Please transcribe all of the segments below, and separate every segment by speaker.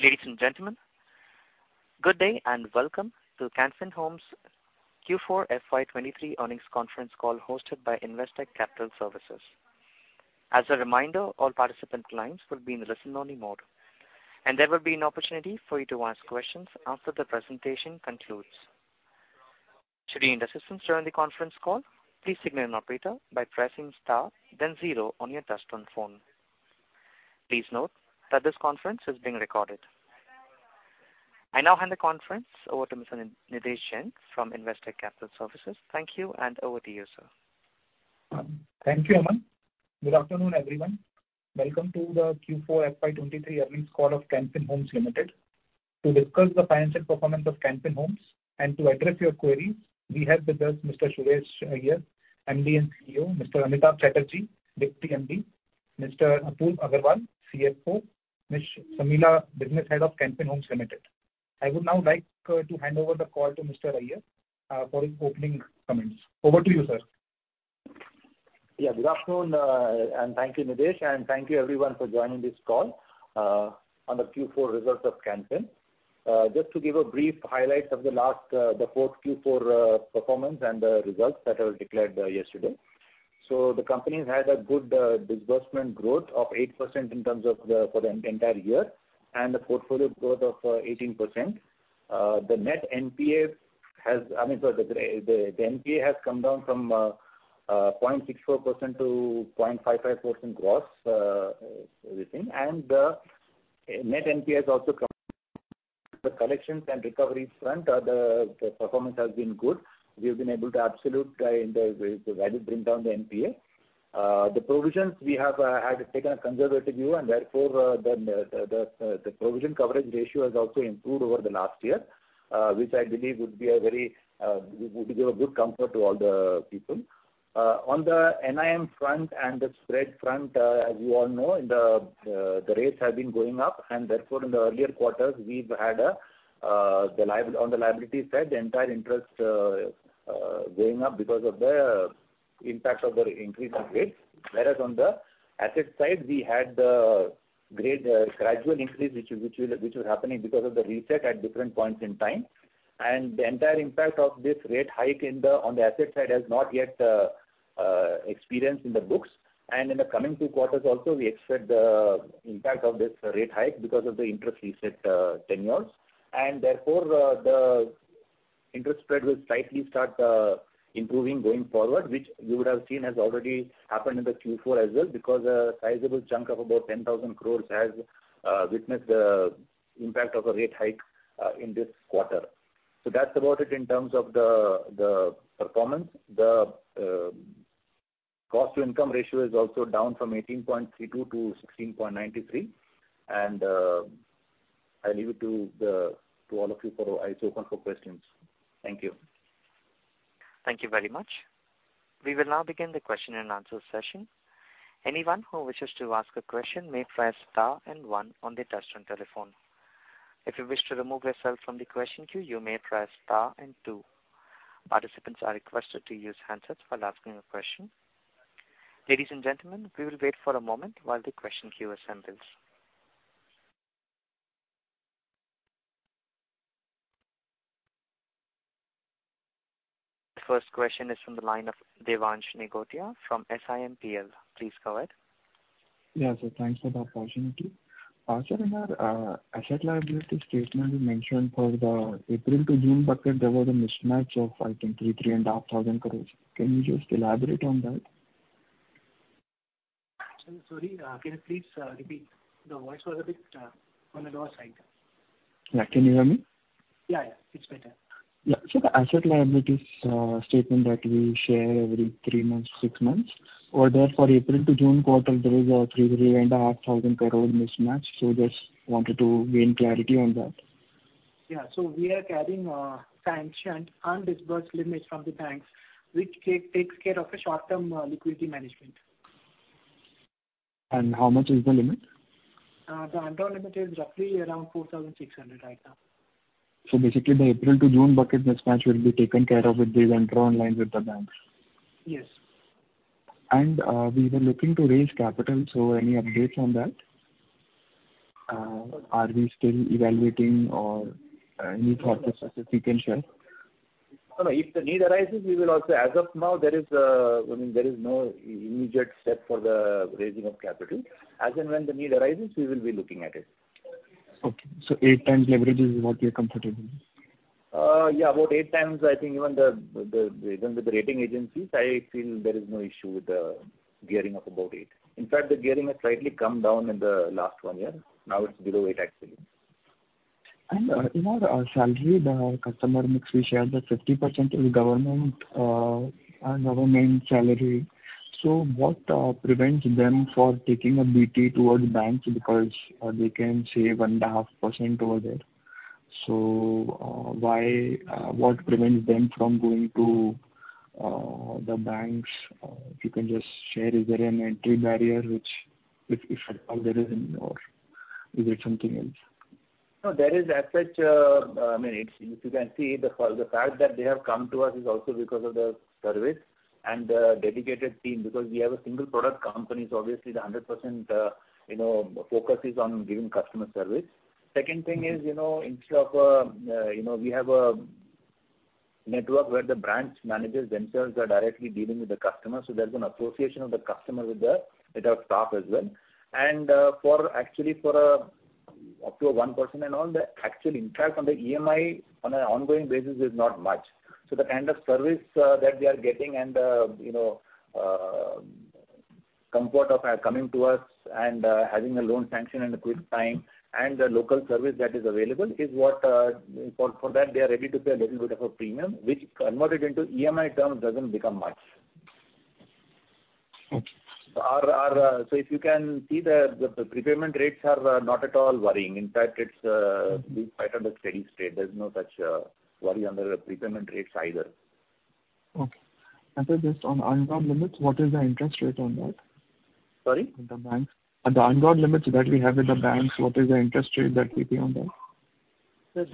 Speaker 1: Ladies and gentlemen, good day and welcome to Can Fin Homes Q4 FY23 Earnings Conference Call hosted by Investec Capital Services. As a reminder, all participant lines will be in a listen-only mode, and there will be an opportunity for you to ask questions after the presentation concludes. Should you need assistance during the conference call, please signal an operator by pressing star then zero on your touchtone phone. Please note that this conference is being recorded. I now hand the conference over to Mr. Nidhesh Jain from Investec Capital Services. Thank you, and over to you, sir.
Speaker 2: Thank you, Aman. Good afternoon, everyone. Welcome to the Q4 FY23 Earnings Call of Can Fin Homes Limited. To discuss the financial performance of Can Fin Homes and to address your queries, we have with us Mr. Suresh Iyer, MD and CEO, Mr. Amitabh Chatterjee, Deputy MD, Mr. Apurav Agarwal, CFO, Ms. Sharmila, Business Head of Can Fin Homes Limited. I would now like to hand over the call to Mr. Iyer for his opening comments. Over to you, sir.
Speaker 3: Good afternoon, and thank you, Nidhesh Jain, and thank you everyone for joining this call on the Q4 results of Can Fin Homes. Just to give a brief highlight of the last, the fourth Q4 performance and the results that I declared yesterday. The company has had a good disbursement growth of 8% in terms of the, for the entire year, and a portfolio growth of 18%. The net NPA has, I mean, the NPA has come down from 0.64% to 0.55% gross within, and the net NPA has also come the collections and recoveries front, the performance has been good. We have been able to absolute, in the value bring down the NPA. The provisions we have had taken a conservative view, and therefore the provision coverage ratio has also improved over the last year, which I believe would be a very good comfort to all the people. On the NIM front and the spread front, as you all know, the rates have been going up and therefore in the earlier quarters we've had on the liability side, the entire interest going up because of the impact of the increase in rates. Whereas on the asset side, we had the great gradual increase which was happening because of the reset at different points in time. The entire impact of this rate hike in the on the asset side has not yet experienced in the books. In the coming two quarters also we expect the impact of this rate hike because of the interest reset tenures. Therefore, the interest spread will slightly start improving going forward, which you would have seen has already happened in the Q4 as well because a sizable chunk of about 10,000 crore has witnessed the impact of a rate hike in this quarter. That's about it in terms of the performance. The cost to income ratio is also down from 18.32% to 16.93%. I leave it to the, to all of you for eyes open for questions. Thank you.
Speaker 1: Thank you very much. We will now begin the question and answer session. Anyone who wishes to ask a question may press star and one on their touchtone telephone. If you wish to remove yourself from the question queue, you may press star and two. Participants are requested to use handsets while asking a question. Ladies and gentlemen, we will wait for a moment while the question queue assembles. The first question is from the line of Devansh Nigotia from SIMPL. Please go ahead.
Speaker 4: Yeah, sir. Thanks for the opportunity. Sir, in our asset liability statement you mentioned for the April to June bucket, there was a mismatch of I think three and a half thousand crores. Can you just elaborate on that?
Speaker 3: Sorry, can you please repeat? The voice was a bit on the lower side.
Speaker 4: Yeah. Can you hear me?
Speaker 3: Yeah, yeah. It's better.
Speaker 4: Yeah. The asset liabilities statement that we share every 3 months, 6 months, over there for April to June quarter, there is a 3,500 crore mismatch, so just wanted to gain clarity on that.
Speaker 3: Yeah. We are carrying sanctioned undisbursed limits from the banks, which takes care of the short-term liquidity management.
Speaker 4: How much is the limit?
Speaker 3: The undrawn limit is roughly around 4,600 right now.
Speaker 4: Basically the April to June bucket mismatch will be taken care of with these undrawn lines with the banks?
Speaker 3: Yes.
Speaker 4: we were looking to raise capital, so any updates on that? are we still evaluating or any thoughts which you can share?
Speaker 3: No, no. If the need arises, we will also... As of now, there is, I mean, there is no immediate step for the raising of capital. As and when the need arises, we will be looking at it.
Speaker 4: Okay. eight times leverage is what we are comfortable with?
Speaker 3: Yeah, about eight times. I think even the even with the rating agencies, I feel there is no issue with the gearing of about 8. In fact, the gearing has slightly come down in the last 1 year. Now it's below eight actually.
Speaker 4: In our salary, the customer mix we share that 50% is government and our main salary. What prevents them from taking a BT towards banks because they can save 1.5% over there? Why what prevents them from going to the banks? If you can just share, is there an entry barrier which if at all there is any, or is it something else?
Speaker 3: No, there is as such, I mean, it's if you can see the fact that they have come to us is also because of the service and the dedicated team because we have a single product company, obviously the 100% focus is on giving customer service. Second thing is, you know, instead of, you know, we have a network where the branch managers themselves are directly dealing with the customers, there's an association of the customer with the, with our staff as well. For actually for, up to one person and all, the actual impact on the EMI on an ongoing basis is not much. The kind of service that they are getting and the, you know, comfort of coming to us and having a loan sanction in a quick time and the local service that is available is what for that they are ready to pay a little bit of a premium, which converted into EMI terms doesn't become much.
Speaker 4: Okay.
Speaker 3: Our if you can see the prepayment rates are not at all worrying. In fact, it's despite of the steady state, there's no such worry under the prepayment rates either.
Speaker 4: Okay. Sir, just on undrawn limits, what is the interest rate on that?
Speaker 3: Sorry?
Speaker 4: The banks. The undrawn limits that we have with the banks, what is the interest rate that we pay on that?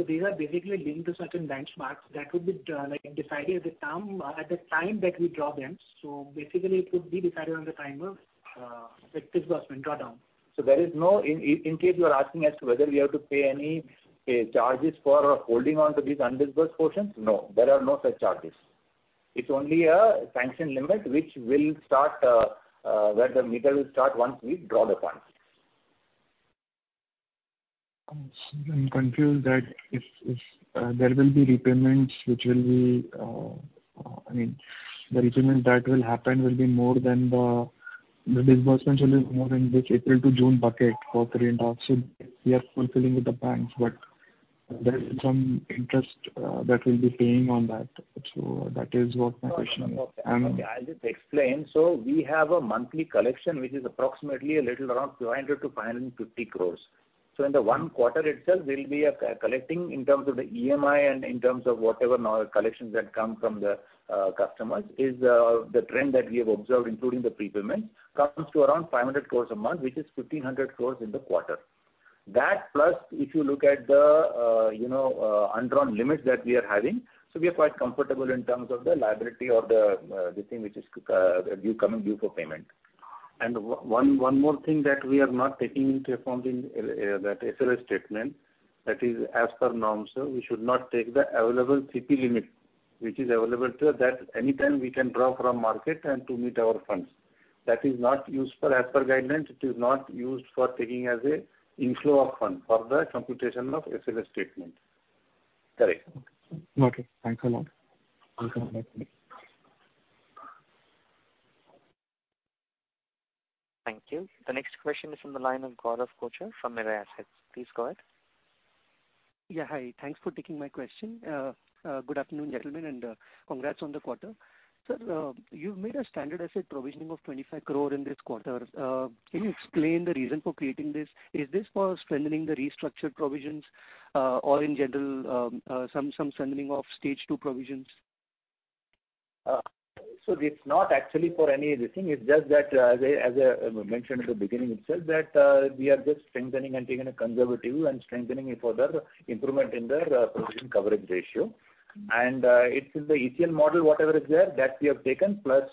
Speaker 3: These are basically linked to certain benchmarks that would be like decided at the time that we draw them. Basically it would be decided on the time of the disbursement draw down. There is no in case you are asking as to whether we have to pay any charges for holding on to these undisbursed portions, no, there are no such charges. It's only a sanction limit which will start where the meter will start once we draw the funds.
Speaker 4: I'm still confused that if there will be repayments which will be, I mean, the repayment that will happen will be more than the disbursement will be more than this April to June bucket for current offset we are fulfilling with the banks, but there is some interest that we'll be paying on that. That is what my question is.
Speaker 3: Okay. I'll just explain. We have a monthly collection which is approximately a little around 500 crore-550 crore. In the one quarter itself, we'll be collecting in terms of the EMI and in terms of whatever now collections that come from the customers is the trend that we have observed including the prepayment comes to around 500 crore a month, which is 1,500 crore in the quarter. That plus if you look at the, you know, undrawn limits that we are having. We are quite comfortable in terms of the liability or the thing which is due, coming due for payment.
Speaker 5: One more thing that we are not taking into account in that SLS statement, that is as per norms, we should not take the available CP limit, which is available to that anytime we can draw from market and to meet our funds. That is not used for as per guidance. It is not used for taking as a inflow of fund for the computation of SLS statement.
Speaker 3: Correct.
Speaker 4: Okay. Thanks a lot.
Speaker 3: Welcome.
Speaker 1: Thank you. The next question is from the line of Gaurav Kochar from Mirae Asset. Please go ahead.
Speaker 6: Yeah, hi. Thanks for taking my question. Good afternoon, gentlemen, congrats on the quarter. Sir, you've made a standard asset provisioning of 25 crore in this quarter. Can you explain the reason for creating this? Is this for strengthening the restructured provisions, or in general, some strengthening of stage two provisions?
Speaker 3: It's not actually for any of this thing. It's just that, as I mentioned at the beginning itself that, we are just strengthening and taking a conservative and strengthening it for the improvement in the provision coverage ratio. It's in the ECL model, whatever is there that we have taken plus...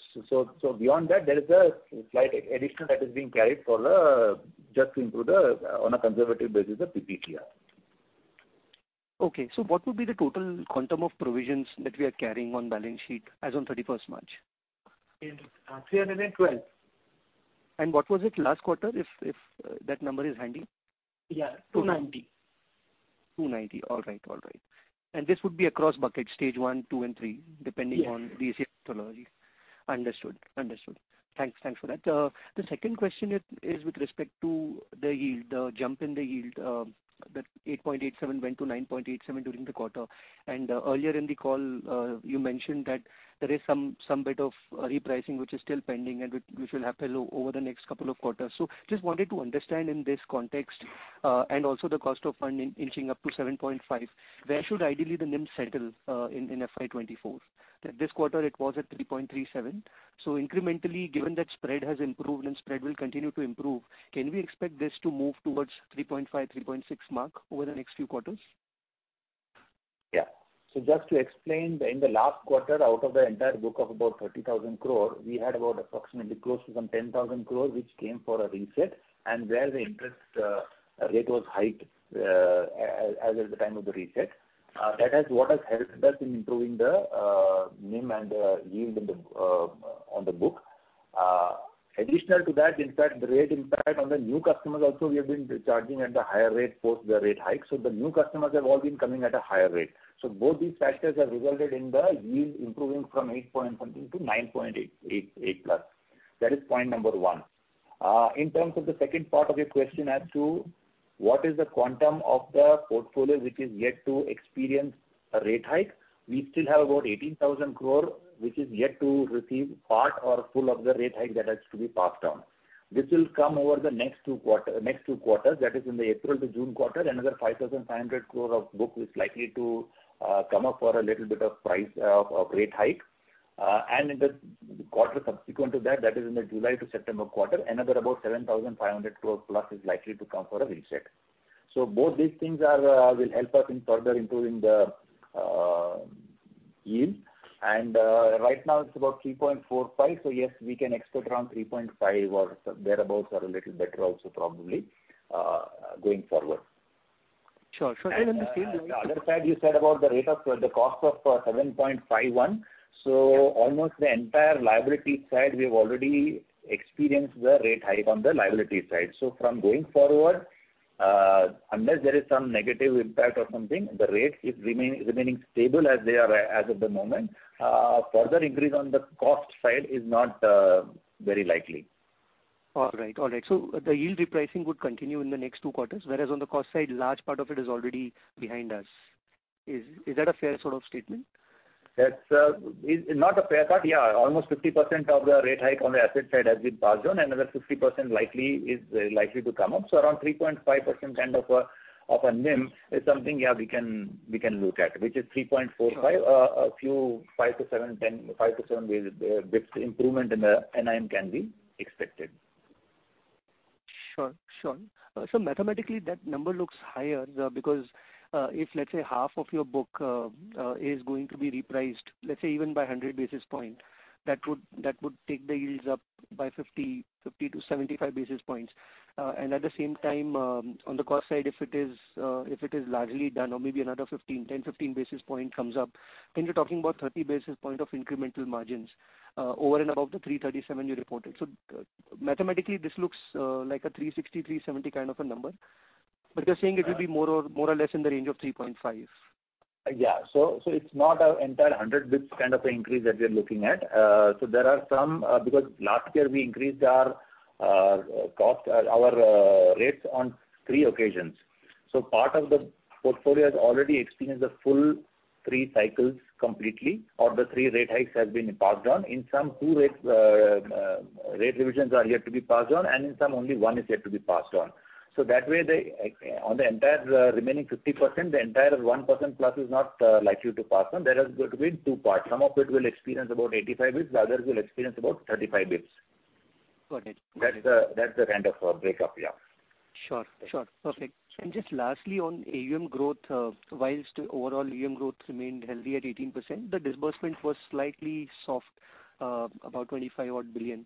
Speaker 3: Beyond that, there is a slight additional that is being carried for the just to improve the on a conservative basis, the PPOP.
Speaker 6: Okay. What would be the total quantum of provisions that we are carrying on balance sheet as on 31st March?
Speaker 3: In, uh, 312.
Speaker 6: What was it last quarter if that number is handy?
Speaker 3: Yeah. 290.
Speaker 6: 290. All right. All right. This would be across buckets stage one, two and three depending on-
Speaker 3: Yeah.
Speaker 6: the ECL theology. Understood. Understood. Thanks. Thanks for that. The second question is with respect to the yield, the jump in the yield, that 8.87 went to 9.87 during the quarter. Earlier in the call, you mentioned that there is some bit of repricing which is still pending and which will happen over the next couple of quarters. Just wanted to understand in this context, and also the cost of funding inching up to 7.5%. Where should ideally the NIM settle in FY24? This quarter it was at 3.37%. Incrementally, given that spread has improved and spread will continue to improve, can we expect this to move towards 3.5%-3.6% mark over the next few quarters?
Speaker 3: Just to explain, in the last quarter, out of the entire book of about 30,000 crore, we had about approximately close to some 10,000 crore which came for a reset and where the interest rate was hiked as at the time of the reset. That is what has helped us in improving the NIM and the yield on the book. Additional to that, in fact the rate impact on the new customers also we have been charging at the higher rate post the rate hike. The new customers have all been coming at a higher rate. Both these factors have resulted in the yield improving from 8 point something to 9.888+. That is point number one. In terms of the second part of your question as to what is the quantum of the portfolio which is yet to experience a rate hike, we still have about 18,000 crore, which is yet to receive part or full of the rate hike that has to be passed down. This will come over the next two quarters, that is in the April to June quarter. Another 5,500 crore of book is likely to come up for a little bit of price of rate hike. And in the quarter subsequent to that is in the July to September quarter, another about 7,500 crore+ is likely to come for a reset. Both these things are will help us in further improving the yield. Right now it's about 3.45%. Yes, we can expect around 3.5 or thereabouts or a little better also probably, going forward.
Speaker 6: Sure.
Speaker 3: The other side, you said about the cost of 7.51. Almost the entire liability side, we have already experienced the rate hike on the liability side. From going forward, unless there is some negative impact or something, the rates remaining stable as they are as of the moment, further increase on the cost side is not very likely.
Speaker 6: All right. All right. The yield repricing would continue in the next two quarters, whereas on the cost side, large part of it is already behind us. Is that a fair sort of statement?
Speaker 3: That's not a fair part. Almost 50% of the rate hike on the asset side has been passed on. Another 50% likely is likely to come up. Around 3.5% kind of a NIM is something, yeah, we can look at, which is 3.45%.
Speaker 6: Sure.
Speaker 3: A few 5 to 7 basis dips improvement in the NIM can be expected.
Speaker 6: Sure, sure. Mathematically, that number looks higher, because if let's say half of your book is going to be repriced, let's say even by 100 basis points, that would take the yields up by 50 to 75 basis points. At the same time, on the cost side, if it is largely done or maybe another 15, 10, 15 basis points comes up, you're talking about 30 basis points of incremental margins over and above the 3.37 you reported. Mathematically this looks like a 3.60 to 3.70 kind of a number. You're saying it will be more or less in the range of 3.5.
Speaker 3: Yeah. So it's not an entire 100 bits kind of an increase that we are looking at. So there are some, because last year we increased our cost, our rates on three occasions. Part of the portfolio has already experienced the full three cycles completely, or the three rate hikes has been passed on. In some, two rates, rate revisions are yet to be passed on, and in some only one is yet to be passed on. That way, the on the entire remaining 50%, the entire 1% plus is not likely to pass on. There has got to be two parts. Some of it will experience about 85 bits, the others will experience about 35 bits.
Speaker 6: Got it.
Speaker 3: That's the kind of break up, yeah.
Speaker 6: Sure. Sure. Perfect. Just lastly, on AUM growth, so whilst overall AUM growth remained healthy at 18%, the disbursement was slightly soft, about 25 odd billion.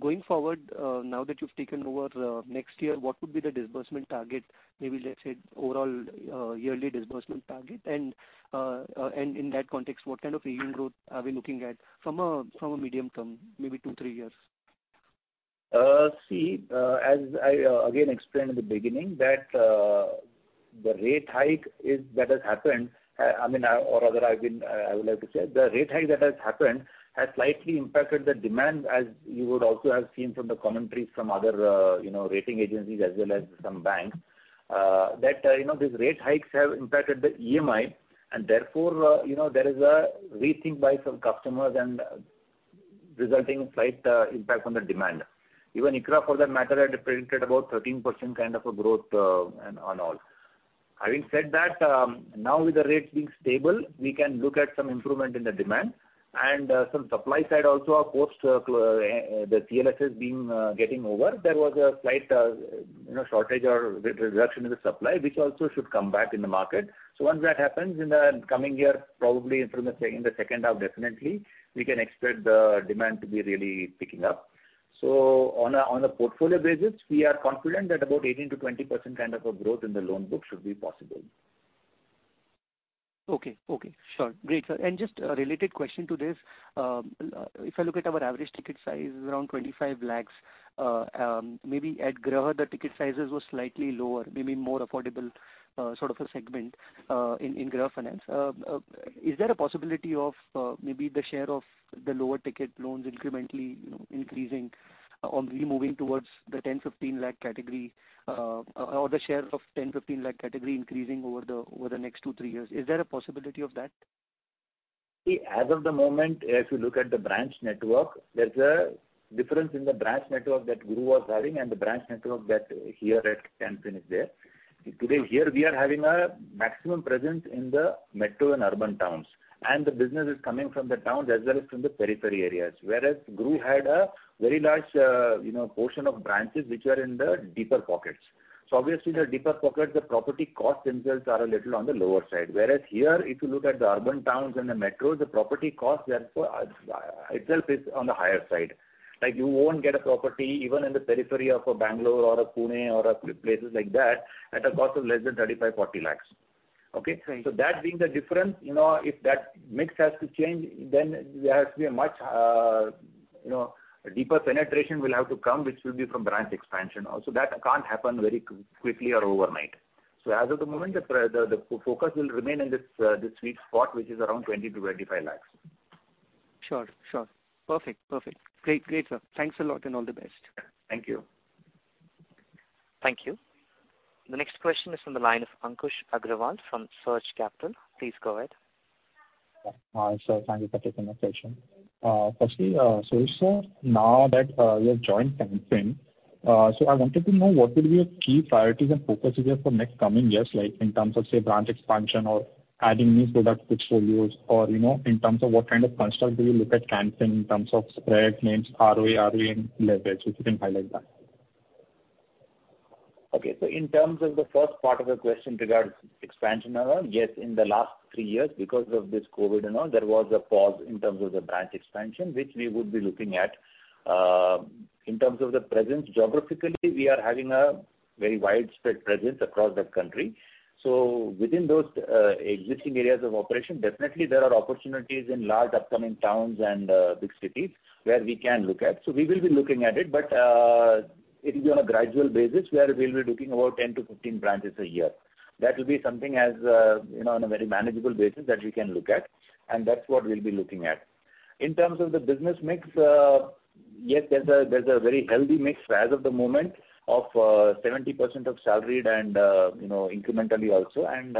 Speaker 6: Going forward, now that you've taken over, next year, what would be the disbursement target? Maybe let's say overall, yearly disbursement target. In that context, what kind of AUM growth are we looking at from a, from a medium term, maybe two, three years?
Speaker 3: See, as I again explained in the beginning that the rate hike that has happened, I mean, or rather I would like to say the rate hike that has happened has slightly impacted the demand as you would also have seen from the commentary from other, you know, rating agencies as well as some banks, that, you know, these rate hikes have impacted the EMI and therefore, you know, there is a rethink by some customers and resulting slight impact on the demand. Even ICRA for that matter had predicted about 13% kind of a growth on all. Having said that, now with the rates being stable, we can look at some improvement in the demand and some supply side also of course, the CLSS being getting over, there was a slight, you know, shortage or reduction in the supply, which also should come back in the market. Once that happens in the coming year, probably in the second half, definitely, we can expect the demand to be really picking up. On a portfolio basis, we are confident that about 18% to 20% kind of a growth in the loan book should be possible.
Speaker 6: Okay. Okay, sure. Great, sir. Just a related question to this. If I look at our average ticket size is around 25 lakhs. Maybe at GRUH, the ticket sizes were slightly lower, maybe more affordable, sort of a segment, in GRUH Finance. Is there a possibility of maybe the share of the lower ticket loans incrementally, you know, increasing or maybe moving towards the 10, 15 lakh category, or the share of 10, 15 lakh category increasing over the next 2, 3 years? Is there a possibility of that?
Speaker 3: As of the moment, if you look at the branch network, there's a difference in the branch network that GRUH was having and the branch network that here at Can Fin Homes is there. Here we are having a maximum presence in the metro and urban towns, and the business is coming from the towns as well as from the periphery areas. GRUH had a very large, you know, portion of branches which were in the deeper pockets. Obviously the deeper pockets, the property costs themselves are a little on the lower side. Here, if you look at the urban towns and the metros, the property costs therefore, itself is on the higher side. Like, you won't get a property even in the periphery of a Bangalore or a Pune or places like that at a cost of less than 35 lakhs to 40 lakhs. Okay?
Speaker 6: Right.
Speaker 3: That being the difference, you know, if that mix has to change, then there has to be a much, you know, deeper penetration will have to come, which will be from branch expansion also. That can't happen very quickly or overnight. As of the moment, the focus will remain in this sweet spot, which is around 20 lakhs to 25 lakhs.
Speaker 6: Sure. Sure. Perfect. Perfect. Great. Great, sir. Thanks a lot and all the best.
Speaker 3: Thank you.
Speaker 1: Thank you. The next question is from the line of Ankush Agrawal from Surge Capital. Please go ahead.
Speaker 7: Thank you for taking my question. Firstly, Suresh, sir, now that you have joined Can Fin. I wanted to know what will be your key priorities and focuses here for next coming years, like in terms of, say, branch expansion or adding new product portfolios or, you know, in terms of what kind of construct do you look at Can Fin Homes in terms of spreads, NIMs, ROA, ROE and leverage, if you can highlight that?
Speaker 3: In terms of the first part of the question regarding expansion, yes, in the last three years, because of this COVID and all, there was a pause in terms of the branch expansion, which we would be looking at. In terms of the presence geographically, we are having a very widespread presence across the country. Within those existing areas of operation, definitely there are opportunities in large upcoming towns and big cities where we can look at. We will be looking at it, but it will be on a gradual basis, where we'll be looking about 10 to 15 branches a year. That will be something as, you know, on a very manageable basis that we can look at, and that's what we'll be looking at. In terms of the business mix, yes, there's a very healthy mix as of the moment of 70% of salaried and, you know, incrementally also, and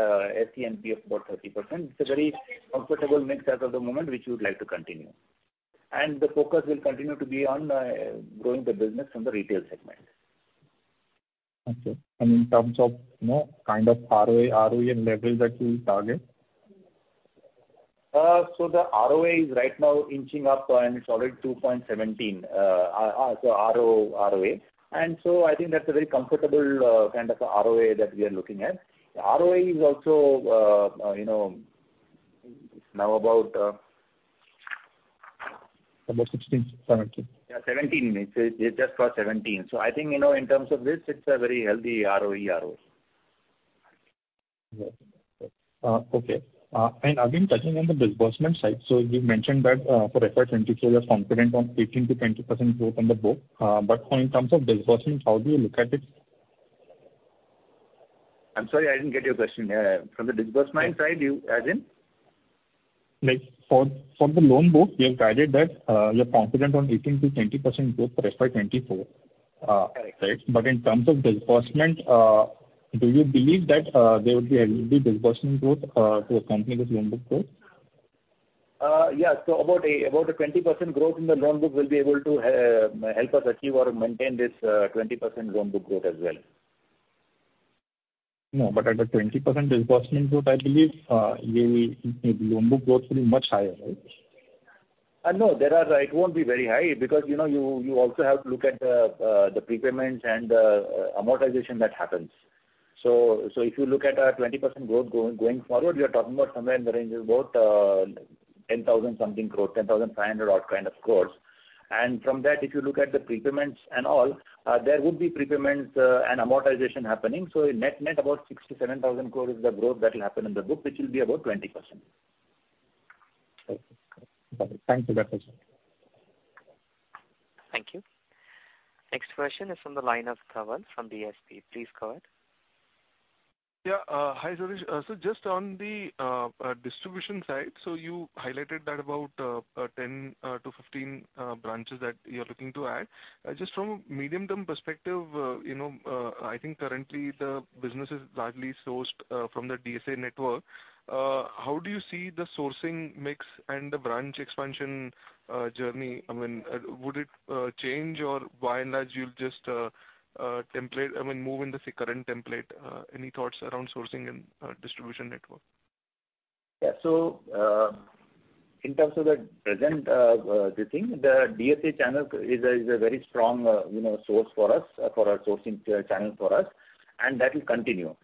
Speaker 3: SE and PF about 30%. It's a very comfortable mix as of the moment, which we would like to continue. The focus will continue to be on growing the business in the retail segment.
Speaker 7: Okay. In terms of, you know, kind of ROA, ROE and leverage that you will target?
Speaker 3: The ROA is right now inching up and it's already 2.17. ROA. I think that's a very comfortable kind of a ROA that we are looking at. The ROE is also, you know, now about.
Speaker 7: About 16, 17.
Speaker 3: Yeah, 17. It just crossed 17. I think, you know, in terms of this, it's a very healthy ROE.
Speaker 7: Yeah. Okay. Again, touching on the disbursement side. You've mentioned that, for FY 2024, you are confident on 18% to 20% growth on the book. In terms of disbursement, how do you look at it?
Speaker 3: I'm sorry, I didn't get your question. From the disbursement side, as in?
Speaker 7: Like for the loan book, you have guided that, you're confident on 18% to 20% growth for FY 2024. Right?
Speaker 3: Correct.
Speaker 7: In terms of disbursement, do you believe that there will be a healthy disbursement growth to accompany this loan book growth?
Speaker 3: Yes. About a 20% growth in the loan book will be able to help us achieve or maintain this, 20% loan book growth as well.
Speaker 7: No, at the 20% disbursement growth, I believe, the loan book growth will be much higher, right?
Speaker 3: No. It won't be very high because, you know, you also have to look at the prepayments and amortization that happens. If you look at our 20% growth going forward, we are talking about somewhere in the range of about 10,000 something growth, 10,500 odd kind of growth. From that, if you look at the prepayments and all, there would be prepayments and amortization happening. Net-net, about 6,000-7,000 crore is the growth that will happen in the book, which will be about 20%.
Speaker 7: Okay. Got it. Thank you. That's all.
Speaker 1: Thank you. Next question is from the line of Kawal from BSP. Please, Kawal.
Speaker 8: Yeah. Hi, Suresh. Just on the distribution side, you highlighted that about 10 to 15 branches that you're looking to add. Just from a medium-term perspective, you know, I think currently the business is largely sourced from the DSA network. How do you see the sourcing mix and the branch expansion journey? I mean, would it change, or by and large you'll just I mean, move in the same current template? Any thoughts around sourcing and distribution network?
Speaker 3: Yeah. In terms of the present, the DSA channel is a very strong, you know, source for us, for our sourcing channel for us, and that will continue.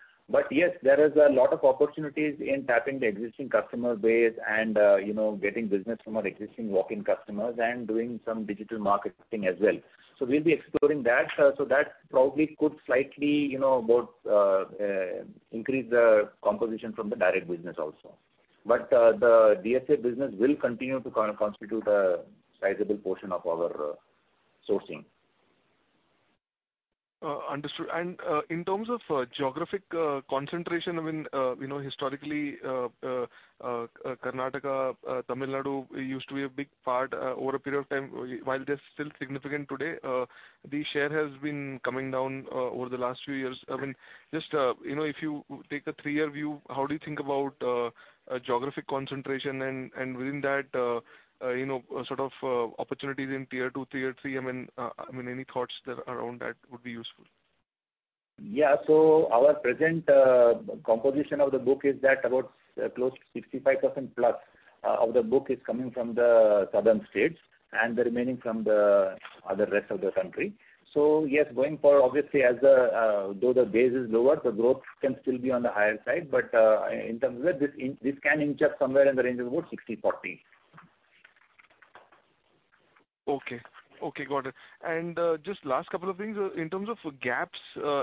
Speaker 3: Yes, there is a lot of opportunities in tapping the existing customer base and, you know, getting business from our existing walk-in customers and doing some digital marketing as well. We'll be exploring that. That probably could slightly, you know, both increase the composition from the direct business also. The DSA business will continue to constitute a sizable portion of our sourcing.
Speaker 8: Understood. In terms of geographic concentration, I mean, you know, historically, Karnataka, Tamil Nadu used to be a big part over a period of time. While they're still significant today, the share has been coming down over the last few years. I mean, just, you know, if you take a 3-year view, how do you think about geographic concentration and within that, you know, sort of opportunities in tier 2, tier 3? I mean, any thoughts there around that would be useful.
Speaker 3: Our present composition of the book is that about close to 65%+ of the book is coming from the southern states and the remaining from the other rest of the country. Yes, going forward, obviously, as the though the base is lower, the growth can still be on the higher side. In terms of that, this can inch up somewhere in the range of about 60/40.
Speaker 8: Okay. Okay, got it. Just last couple of things. In terms of gaps,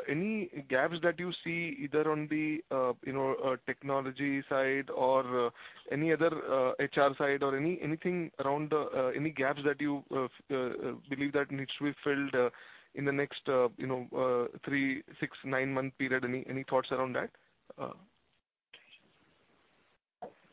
Speaker 8: any gaps that you see either on the, you know, technology side or any other HR side or anything around the any gaps that you believe that needs to be filled in the next, you know, 3, 6, 9-month period? Any thoughts around that?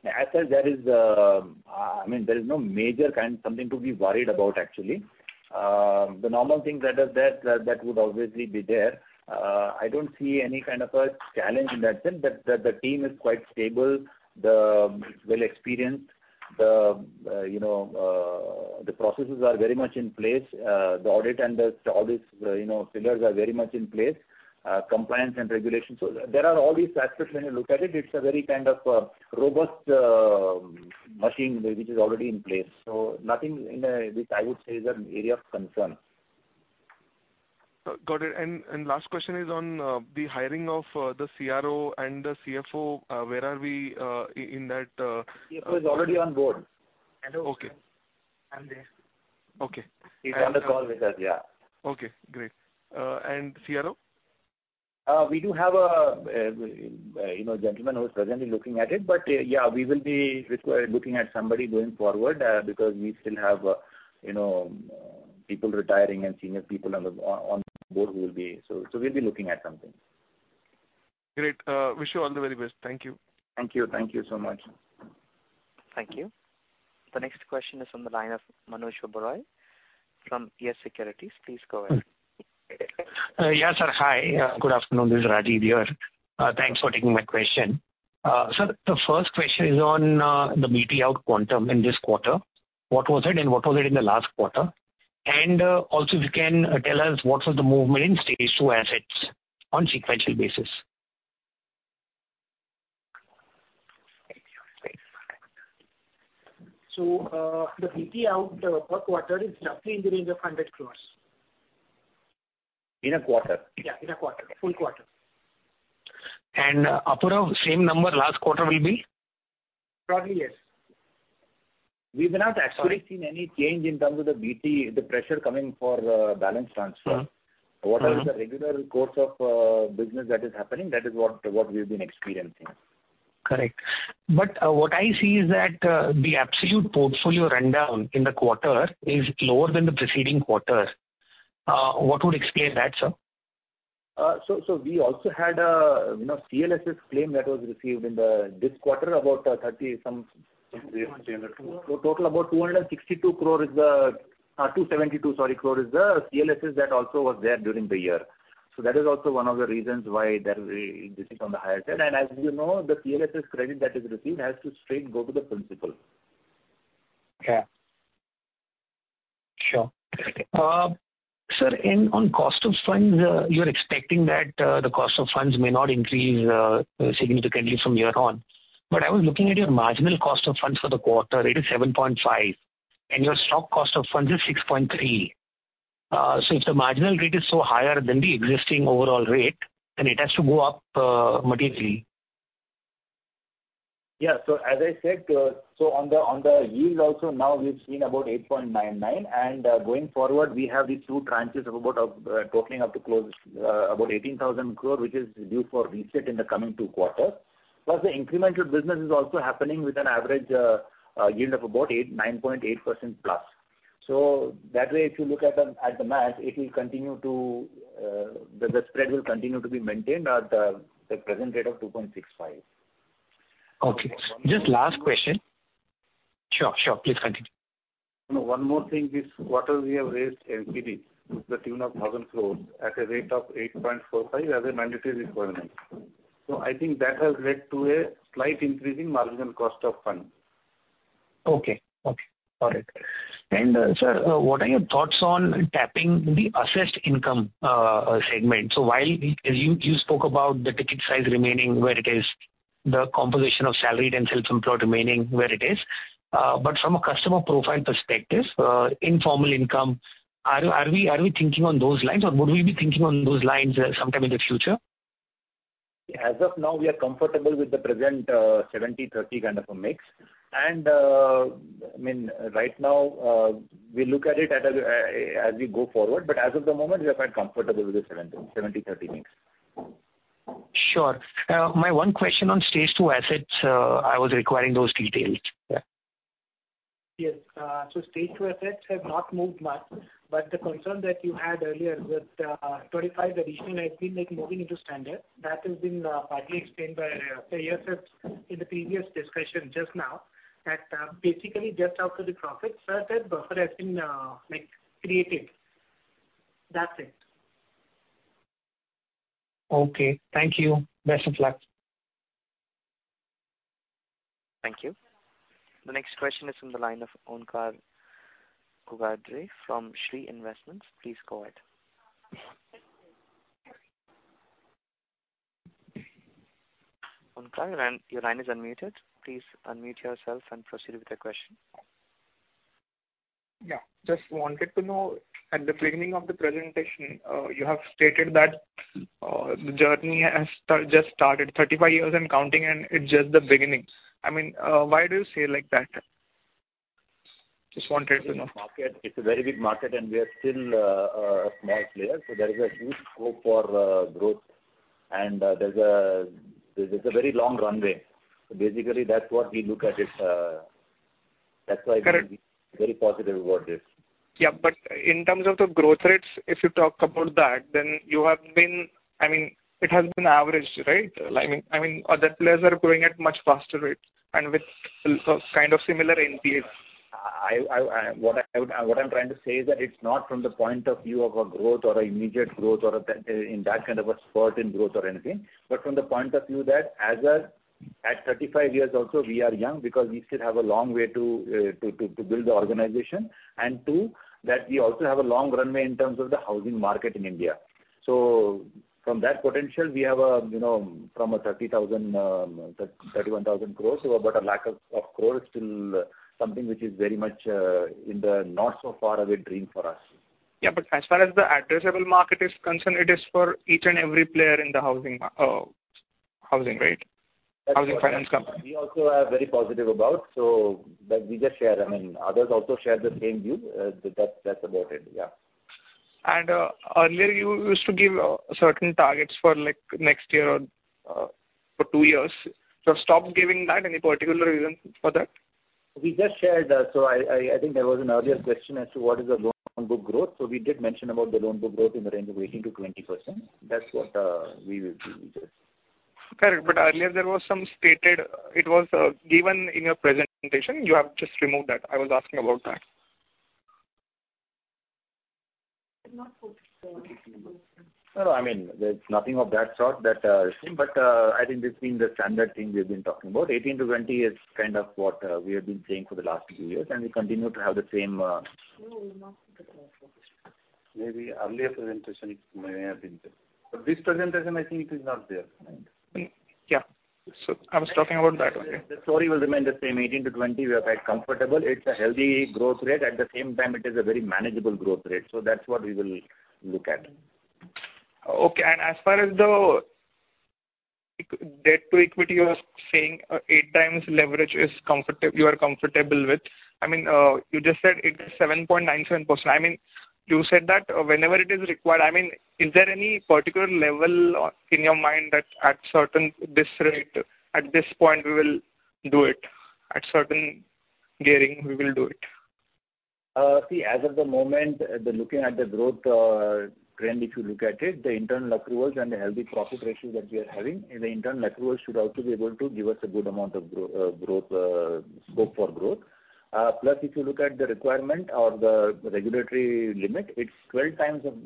Speaker 3: As such, there is, I mean, there is no major kind, something to be worried about actually. The normal things that are there, that would obviously be there. I don't see any kind of a challenge in that sense. The team is quite stable, the well-experienced, you know, the processes are very much in place, the audit and the all these, you know, pillars are very much in place. Compliance and regulation. There are all these aspects when you look at it's a very kind of, robust, machine which is already in place. Nothing in which I would say is an area of concern.
Speaker 8: Got it. Last question is on the hiring of the CRO and the CFO, where are we in that?
Speaker 3: CFO is already on board.
Speaker 8: Okay.
Speaker 3: Hello. I'm there.
Speaker 8: Okay.
Speaker 3: He's on the call with us, yeah.
Speaker 8: Okay, great. CRO?
Speaker 3: We do have a, you know, a gentleman who is presently looking at it. Yeah, we will be looking at somebody going forward, because we still have, you know, people retiring and senior people on the board who will be. We'll be looking at something.
Speaker 8: Great. Wish you all the very best. Thank you.
Speaker 3: Thank you. Thank you so much.
Speaker 1: Thank you. The next question is on the line of Manoj Oberoi from PS Securities. Please go ahead.
Speaker 9: Yeah, sir. Hi. Good afternoon. This is Rajiv here. Thanks for taking my question. Sir, the first question is on the BT out quantum in this quarter. What was it and what was it in the last quarter? Also if you can tell us what was the movement in stage two assets on sequential basis.
Speaker 5: The BT out per quarter is roughly in the range of 100 crores.
Speaker 9: In a quarter?
Speaker 5: Yeah, in a quarter, full quarter.
Speaker 9: approximately same number last quarter will be?
Speaker 5: Probably, yes. We've not actually seen any change in terms of the BT, the pressure coming for balance transfer.
Speaker 9: Mm-hmm.
Speaker 5: What is the regular course of business that is happening, that is what we've been experiencing.
Speaker 9: Correct. What I see is that, the absolute portfolio rundown in the quarter is lower than the preceding quarter. What would explain that, sir?
Speaker 5: We also had a, you know, CLSS claim that was received in the this quarter about 30 some so total about 262 crore. 272 crore, sorry, is the CLSS that also was there during the year. That is also one of the reasons why this is on the higher side. As you know, the CLSS credit that is received has to straight go to the principal.
Speaker 9: Yeah. Sure. sir, in, on cost of funds, you're expecting that, the cost of funds may not increase, significantly from here on. I was looking at your marginal cost of funds for the quarter. It is 7.5%, and your stock cost of funds is 6.3%. If the marginal rate is so higher than the existing overall rate, then it has to go up, materially.
Speaker 5: Yeah. As I said, on the, on the yield also now we've seen about 8.99, and going forward, we have these two tranches of about totaling up to close about 18,000 crore, which is due for reset in the coming two quarters. Plus the incremental business is also happening with an average yield of about eight, 9.8% plus. That way, if you look at the, at the math, it will continue to, the spread will continue to be maintained at the present rate of 2.65.
Speaker 9: Okay. Just last question. Sure, sure. Please continue.
Speaker 3: No, one more thing. This quarter we have raised NCD to the tune of 1,000 crores at a rate of 8.45% as a mandatory requirement. I think that has led to a slight increase in marginal cost of fund.
Speaker 9: Okay. Okay. Got it. Sir, what are your thoughts on tapping the assessed income segment? While, you spoke about the ticket size remaining where it is, the composition of salaried and self-employed remaining where it is, from a customer profile perspective, informal income, are we thinking on those lines or would we be thinking on those lines sometime in the future?
Speaker 3: As of now, we are comfortable with the present 70/30 kind of a mix. I mean, right now, we look at it as we go forward, but as of the moment, we are quite comfortable with the 70/30 mix.
Speaker 9: Sure. My one question on stage two assets, I was requiring those details. Yeah.
Speaker 5: Yes. Stage two assets have not moved much, but the concern that you had earlier with, 25 revision has been, like, moving into standard. That has been, partly explained by, say, yes, that's in the previous discussion just now, that, basically just after the profit, certain buffer has been, like, created. That's it.
Speaker 9: Okay. Thank you. Best of luck.
Speaker 1: Thank you. The next question is from the line of Onkar Ghugardare from Shree Investments. Please go ahead. Onkar, your line is unmuted. Please unmute yourself and proceed with your question.
Speaker 10: Yeah. Just wanted to know, at the beginning of the presentation, you have stated that, the journey has just started, 35 years and counting, and it's just the beginning. I mean, why do you say like that? Just wanted to know.
Speaker 3: It's a market. It's a very big market and we are still a small player, so there is a huge scope for growth. There's a very long runway. Basically that's what we look at it.
Speaker 10: Correct.
Speaker 3: We're very positive about this.
Speaker 10: Yeah. In terms of the growth rates, if you talk about that, I mean, it has been averaged, right? I mean, other players are growing at much faster rates and with kind of similar NPA.
Speaker 3: What I'm trying to say is that it's not from the point of view of a growth or an immediate growth or a spurt in growth or anything. From the point of view that at 35 years also, we are young because we still have a long way to build the organization and two, that we also have a long runway in terms of the housing market in India. From that potential, we have, you know, from 31,000 crore, about 100,000 crore is still something which is very much in the not so far away dream for us.
Speaker 10: As far as the addressable market is concerned, it is for each and every player in the housing, right? Housing finance company.
Speaker 3: We also are very positive about, so that we just share. I mean, others also share the same view. That's about it. Yeah.
Speaker 10: Earlier you used to give, certain targets for like next year or, for two years. You have stopped giving that. Any particular reason for that?
Speaker 3: We just shared, so I think there was an earlier question as to what is the loan book growth. We did mention about the loan book growth in the range of 18% to 20%. That's what we will do with this.
Speaker 10: Correct. Earlier there was some stated, it was given in your presentation, you have just removed that. I was asking about that.
Speaker 3: I mean, there's nothing of that sort that. I think this being the standard thing we have been talking about. 18 to 20 is kind of what we have been saying for the last few years, and we continue to have the same. Maybe earlier presentation may have been there. This presentation, I think it is not there.
Speaker 10: Yeah. I was talking about that only.
Speaker 3: The story will remain the same. 18% to 20%, we are quite comfortable. It's a healthy growth rate. At the same time, it is a very manageable growth rate. That's what we will look at.
Speaker 10: Okay. As far as the e-debt to equity, you were saying, eight times leverage is you are comfortable with. I mean, you just said it is 7.97%. I mean, you said that whenever it is required. I mean, is there any particular level in your mind that at certain this rate, at this point, we will do it? At certain gearing, we will do it?
Speaker 3: See, as of the moment, the looking at the growth trend, if you look at it, the internal accruals and the healthy profit ratio that we are having, the internal accruals should also be able to give us a good amount of growth scope for growth. Plus, if you look at the requirement or the regulatory limit, it's 12 times of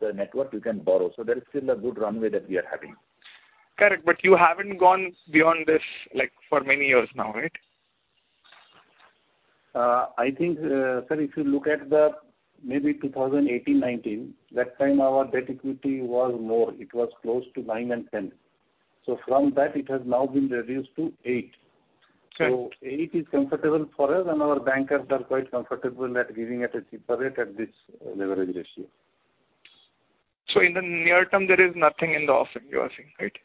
Speaker 3: the network we can borrow. There is still a good runway that we are having.
Speaker 10: Correct. You haven't gone beyond this, like, for many years now, right?
Speaker 3: I think, sir, if you look at the maybe 2018, 2019, that time our debt equity was more, it was close to nine and 10. From that, it has now been reduced to eight.
Speaker 10: Correct.
Speaker 3: 8 is comfortable for us, and our bankers are quite comfortable at giving at a cheaper rate at this leverage ratio.
Speaker 10: In the near term, there is nothing in the offing, you are saying, right?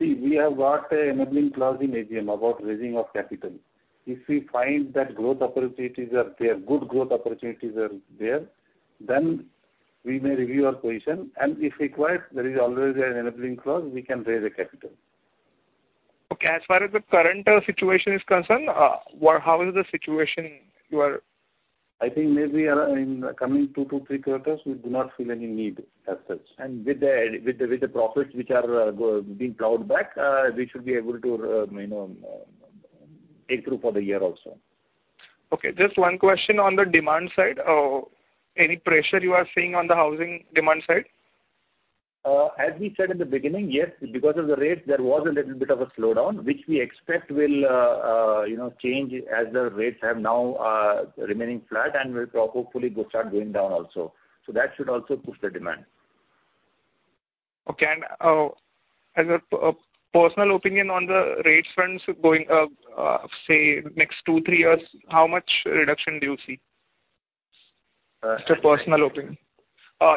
Speaker 3: See, we have got a enabling clause in AGM about raising of capital. If we find that growth opportunities are there, good growth opportunities are there, we may review our position and if required, there is always an enabling clause, we can raise the capital.
Speaker 10: Okay. As far as the current situation is concerned, what, how is the situation you are?
Speaker 3: I think maybe around in coming two to three quarters, we do not feel any need as such. With the profits which are being plowed back, we should be able to, you know, take through for the year also.
Speaker 10: Okay. Just one question on the demand side. Any pressure you are seeing on the housing demand side?
Speaker 3: As we said in the beginning, yes, because of the rates, there was a little bit of a slowdown, which we expect will, you know, change as the rates have now remaining flat and will hopefully go start going down also. That should also push the demand.
Speaker 10: Okay. as a personal opinion on the rate fronts going, say next 2, 3 years, how much reduction do you see?
Speaker 3: Uh.
Speaker 10: Just a personal opinion.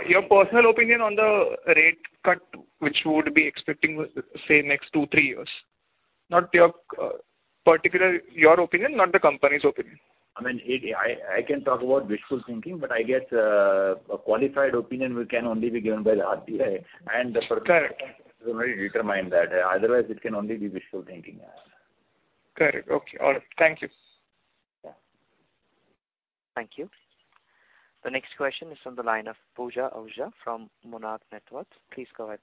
Speaker 10: Your personal opinion on the rate cut, which you would be expecting, say, next two, three years. Not your particular your opinion, not the company's opinion.
Speaker 3: I mean, it, I can talk about wishful thinking, but I guess, a qualified opinion can only be given by the RBI.
Speaker 10: Correct.
Speaker 3: Determine that. Otherwise, it can only be wishful thinking.
Speaker 10: Correct. Okay. All right. Thank you.
Speaker 3: Yeah.
Speaker 1: Thank you. The next question is from the line of Pooja Ahuja from Monarch Networth Capital. Please go ahead.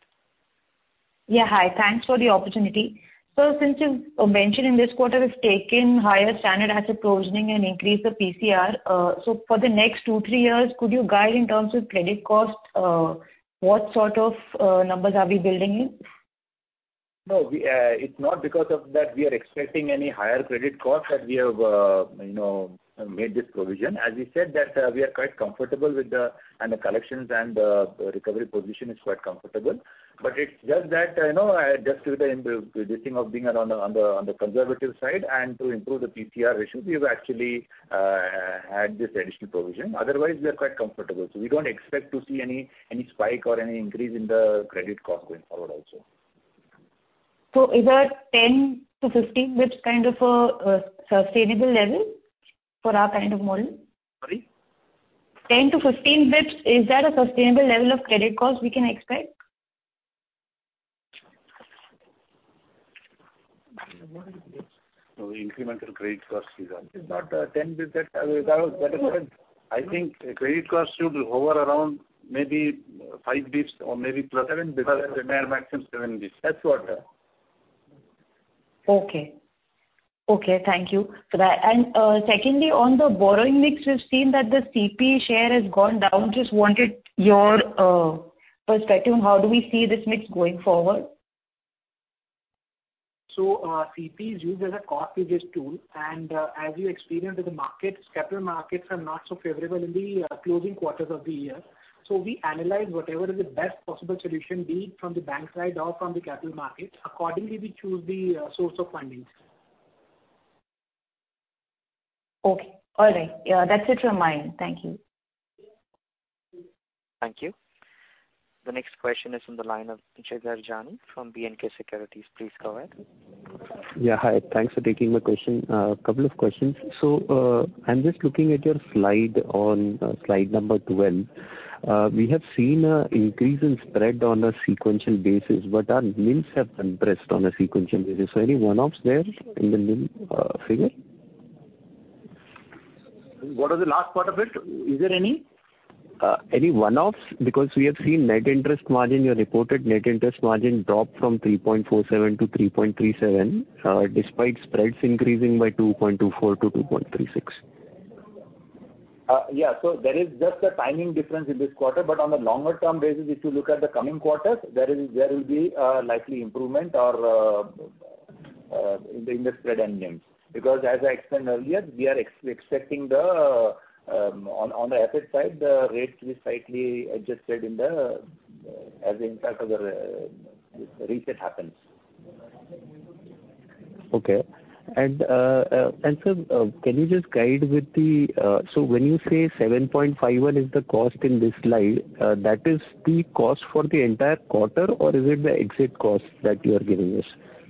Speaker 11: Yeah, hi. Thanks for the opportunity. Since you've mentioned in this quarter, we've taken higher standard asset provisioning and increased the PCR. For the next two, three years, could you guide in terms of credit costs? What sort of numbers are we building in?
Speaker 3: No, we, it's not because of that we are expecting any higher credit cost that we have, you know, made this provision. As we said that, we are quite comfortable with the, and the collections and the recovery position is quite comfortable. It's just that, you know, just to the end of this thing of being around on the conservative side and to improve the PCR ratio, we have actually, had this additional provision. Otherwise, we are quite comfortable. We don't expect to see any spike or any increase in the credit cost going forward also.
Speaker 11: Is that 10 to 15 basis points kind of a sustainable level for our kind of model?
Speaker 3: Sorry?
Speaker 11: 10-15 bits, is that a sustainable level of credit cost we can expect?
Speaker 3: No incremental credit cost is not 10 bits that is what I think credit cost should hover around maybe-5 dips or maybe 7 because they may have maximum 7 dips. That's what.
Speaker 11: Okay. Okay, thank you for that. Secondly, on the borrowing mix, we've seen that the CP share has gone down. Just wanted your perspective, how do we see this mix going forward?
Speaker 5: CP is used as a cost-saving tool, and, as you experience with the markets, capital markets are not so favorable in the closing quarters of the year. We analyze whatever is the best possible solution, be it from the bank side or from the capital market. Accordingly, we choose the source of fundings.
Speaker 11: Okay. All right. Yeah, that's it from my end. Thank you.
Speaker 1: Thank you. The next question is on the line of Jigar Jani from BNK Securities. Please go ahead.
Speaker 12: Yeah, hi. Thanks for taking my question. Couple of questions. I'm just looking at your slide on slide number 12. We have seen an increase in spread on a sequential basis, but our NIMs have compressed on a sequential basis. Any one-offs there in the NIM figure?
Speaker 5: What was the last part of it? Is there any?
Speaker 12: Any one-offs? We have seen net interest margin, your reported net interest margin drop from 3.47% to 3.37%, despite spreads increasing by 2.24% to 2.36%.
Speaker 5: Yeah. There is just a timing difference in this quarter. On a longer term basis, if you look at the coming quarters, there is, there will be likely improvement or in the spread NIMs. As I explained earlier, we are expecting the on the asset side, the rates to be slightly adjusted in the as the impact of the reset happens.
Speaker 12: Okay. Sir, can you just guide with the... When you say 7.51 is the cost in this slide, that is the cost for the entire quarter, or is it the exit cost that you are giving us?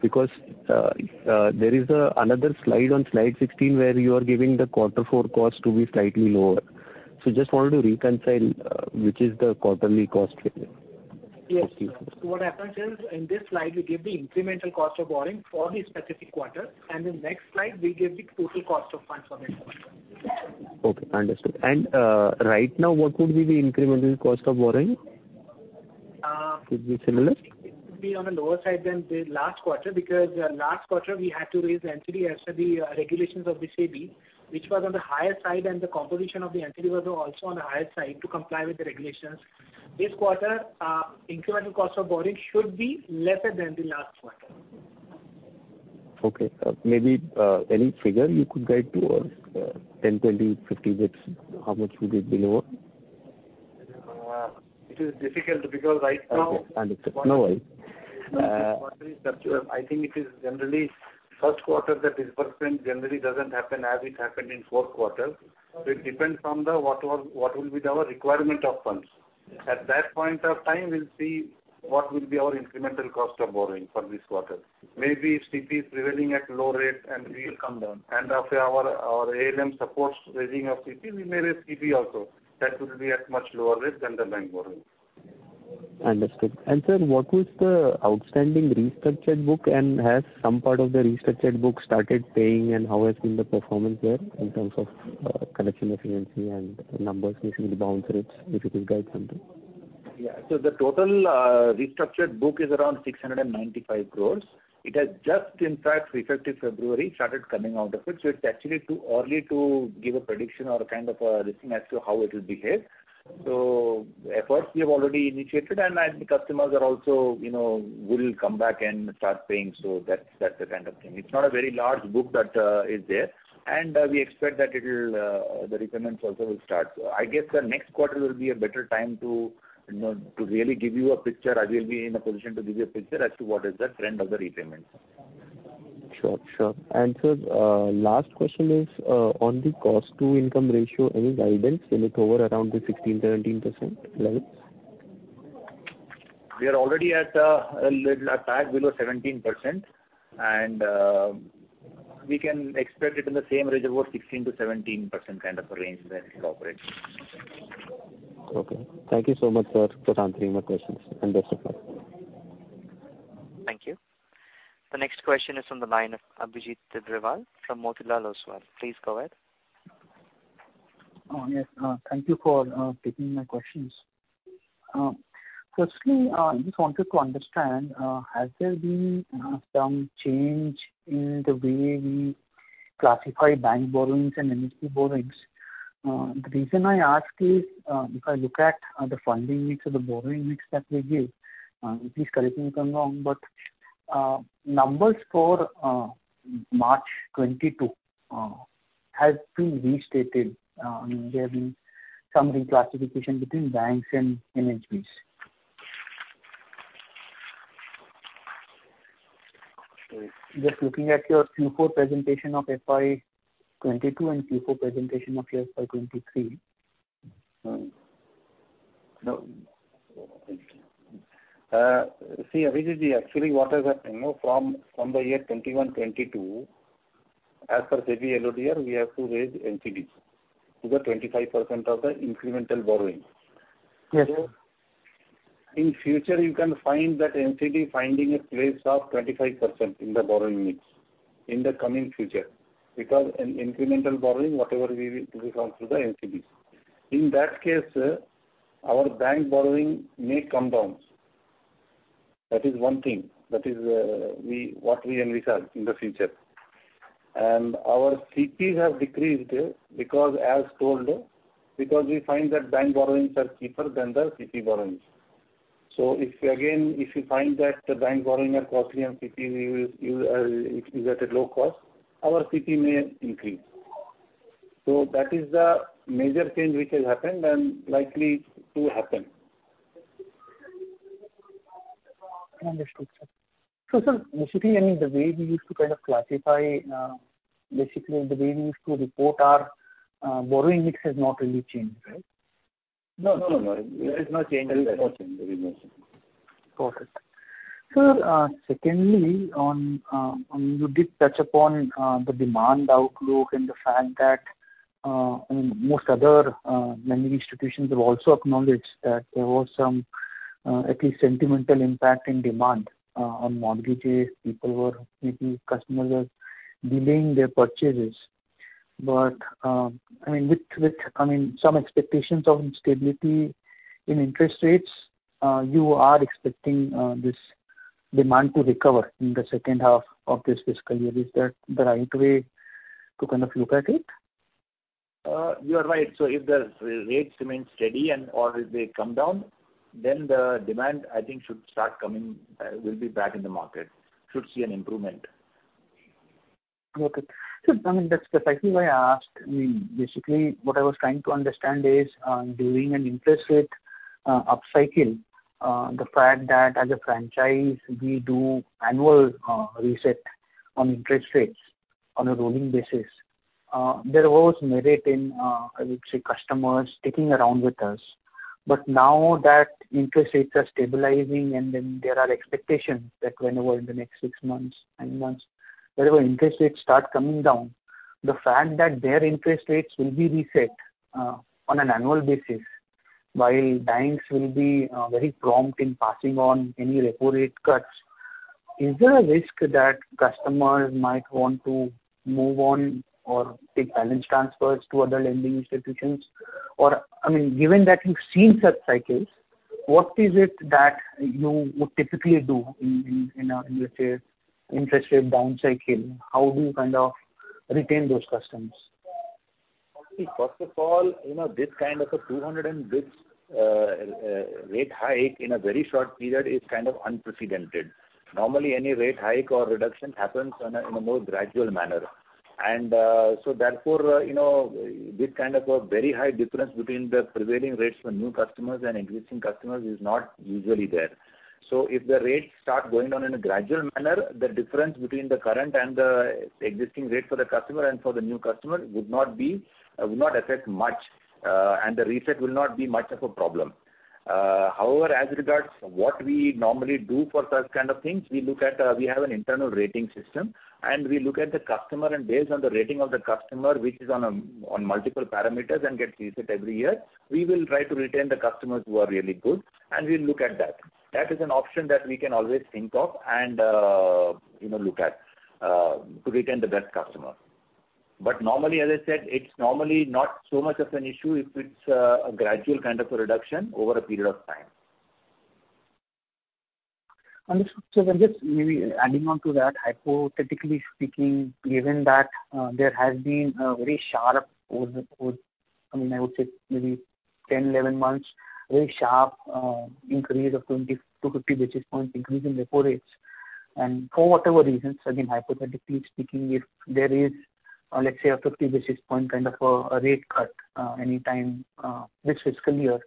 Speaker 12: Because there is another slide, on slide 16, where you are giving the quarter four cost to be slightly lower. Just wanted to reconcile which is the quarterly cost figure.
Speaker 5: Yes.
Speaker 12: Okay.
Speaker 5: What happens is, in this slide, we give the incremental cost of borrowing for the specific quarter, and the next slide we give the total cost of funds for that quarter.
Speaker 12: Okay, understood. Right now, what would be the incremental cost of borrowing?
Speaker 5: Uh.
Speaker 12: Could be similar?
Speaker 5: It could be on a lower side than the last quarter because, last quarter we had to raise NCD as per the regulations of the NHB, which was on the higher side, and the composition of the NCD was also on the higher side to comply with the regulations. This quarter, incremental cost of borrowing should be lesser than the last quarter.
Speaker 12: Okay. Maybe, any figure you could guide towards 10, 20, 50 basis, how much would it be lower?
Speaker 3: It is difficult because right now.
Speaker 12: Okay. Understood. No worry.
Speaker 3: I think it is generally first quarter the disbursement generally doesn't happen as it happened in fourth quarter. It depends on what will be our requirement of funds. At that point of time, we'll see what will be our incremental cost of borrowing for this quarter. Maybe CP is prevailing at low rate and we will come down. After our ALM supports raising of CP, we may raise CP also. That will be at much lower rate than the bank borrowing.
Speaker 12: Understood. Sir, what was the outstanding restructured book, and has some part of the restructured book started paying, and how has been the performance there in terms of, collection efficiency and numbers, maybe the bounce rates, if you could guide something?
Speaker 3: Yeah. The total restructured book is around 695 crores. It has just in fact, effective February, started coming out of it. It's actually too early to give a prediction or a kind of a listing as to how it'll behave. Efforts we have already initiated, and as the customers are also, you know, will come back and start paying. That's the kind of thing. It's not a very large book that is there. We expect that it'll the repayments also will start. I guess the next quarter will be a better time to, you know, to really give you a picture, or we'll be in a position to give you a picture as to what is the trend of the repayments.
Speaker 12: Sure, sure. Sir, last question is on the cost to income ratio, any guidance? Will it hover around the 16% to 17% levels?
Speaker 3: We are already at, a little at par below 17%, and, we can expect it in the same range of about 16% to 17% kind of a range where it'll operate.
Speaker 12: Okay. Thank you so much, sir, for answering my questions and best of luck.
Speaker 1: Thank you. The next question is on the line of Abhijit Tibrewal from Motilal Oswal. Please go ahead.
Speaker 13: Yes. Thank you for taking my questions. Firstly, just wanted to understand, has there been some change in the way we classify bank borrowings and NHB borrowings? The reason I ask is, if I look at the funding mix or the borrowing mix that we give, please correct me if I'm wrong, but numbers for March 2022 have been restated. There have been some reclassification between banks and NHBs. Just looking at your Q4 Presentation of FY 2022 and Q4 Presentation of FY 2023.
Speaker 3: No. See, Abhijit, actually what has happened, you know, from the year 2021, 2022, as per SEBI LODR, we have to raise NCDs to the 25% of the incremental borrowing.
Speaker 13: Yes.
Speaker 3: In future, you can find that NCD finding a place of 25% in the borrowing mix. In the coming future, because in incremental borrowing, whatever we will do will come through the NCDs. In that case, our bank borrowing may come down. That is one thing. That is, what we envisage in the future. Our CPs have decreased because as told, because we find that bank borrowings are cheaper than the CP borrowings. If, again, if you find that the bank borrowing are costly and CP we will use, is at a low cost, our CP may increase. That is the major change which has happened and likely to happen.
Speaker 13: Understood, sir. Sir, basically, I mean, the way we used to kind of classify, basically the way we used to report our borrowing, it has not really changed, right?
Speaker 3: No, no. There is no change in that.
Speaker 13: Got it. Sir, secondly, on, you did touch upon, the demand outlook and the fact that, most other, lending institutions have also acknowledged that there was some, at least sentimental impact in demand, on mortgages. People were, maybe customers were delaying their purchases. I mean, with, I mean, some expectations of stability in interest rates, you are expecting, this demand to recover in the second half of this fiscal year. Is that the right way to kind of look at it?
Speaker 3: You are right. If the rates remain steady and or if they come down, then the demand I think should start coming, will be back in the market. Should see an improvement.
Speaker 13: I mean, that's actually why I asked. Basically, what I was trying to understand is, during an interest rate upcycle, the fact that as a franchise we do annual reset on interest rates on a rolling basis, there was merit in, I would say customers sticking around with us. Now that interest rates are stabilizing, and then there are expectations that whenever in the next 6 months, 9 months, wherever interest rates start coming down, the fact that their interest rates will be reset on an annual basis while banks will be very prompt in passing on any repo rate cuts. Is there a risk that customers might want to move on or take balance transfers to other lending institutions? I mean, given that you've seen such cycles, what is it that you would typically do in a interest rate down cycle? How do you kind of retain those customers?
Speaker 3: First of all, you know, this kind of a 200 and bits rate hike in a very short period is kind of unprecedented. Normally, any rate hike or reduction happens on a, in a more gradual manner. Therefore, you know, this kind of a very high difference between the prevailing rates for new customers and existing customers is not usually there. If the rates start going down in a gradual manner, the difference between the current and the existing rate for the customer and for the new customer would not be, would not affect much, and the reset will not be much of a problem. However, as regards what we normally do for such kind of things, we look at, we have an internal rating system, and we look at the customer, and based on the rating of the customer, which is on multiple parameters and gets reset every year. We will try to retain the customers who are really good, and we'll look at that. That is an option that we can always think of and, you know, look at to retain the best customer. Normally, as I said, it's normally not so much of an issue if it's a gradual kind of a reduction over a period of time.
Speaker 13: Understood. Just maybe adding on to that, hypothetically speaking, given that there has been a very sharp over, I mean, I would say maybe 10, 11 months, very sharp increase of 20 to 50 basis points increase in repo rates. For whatever reasons, again, hypothetically speaking, if there is, let's say, a 50 basis point kind of a rate cut anytime this fiscal year.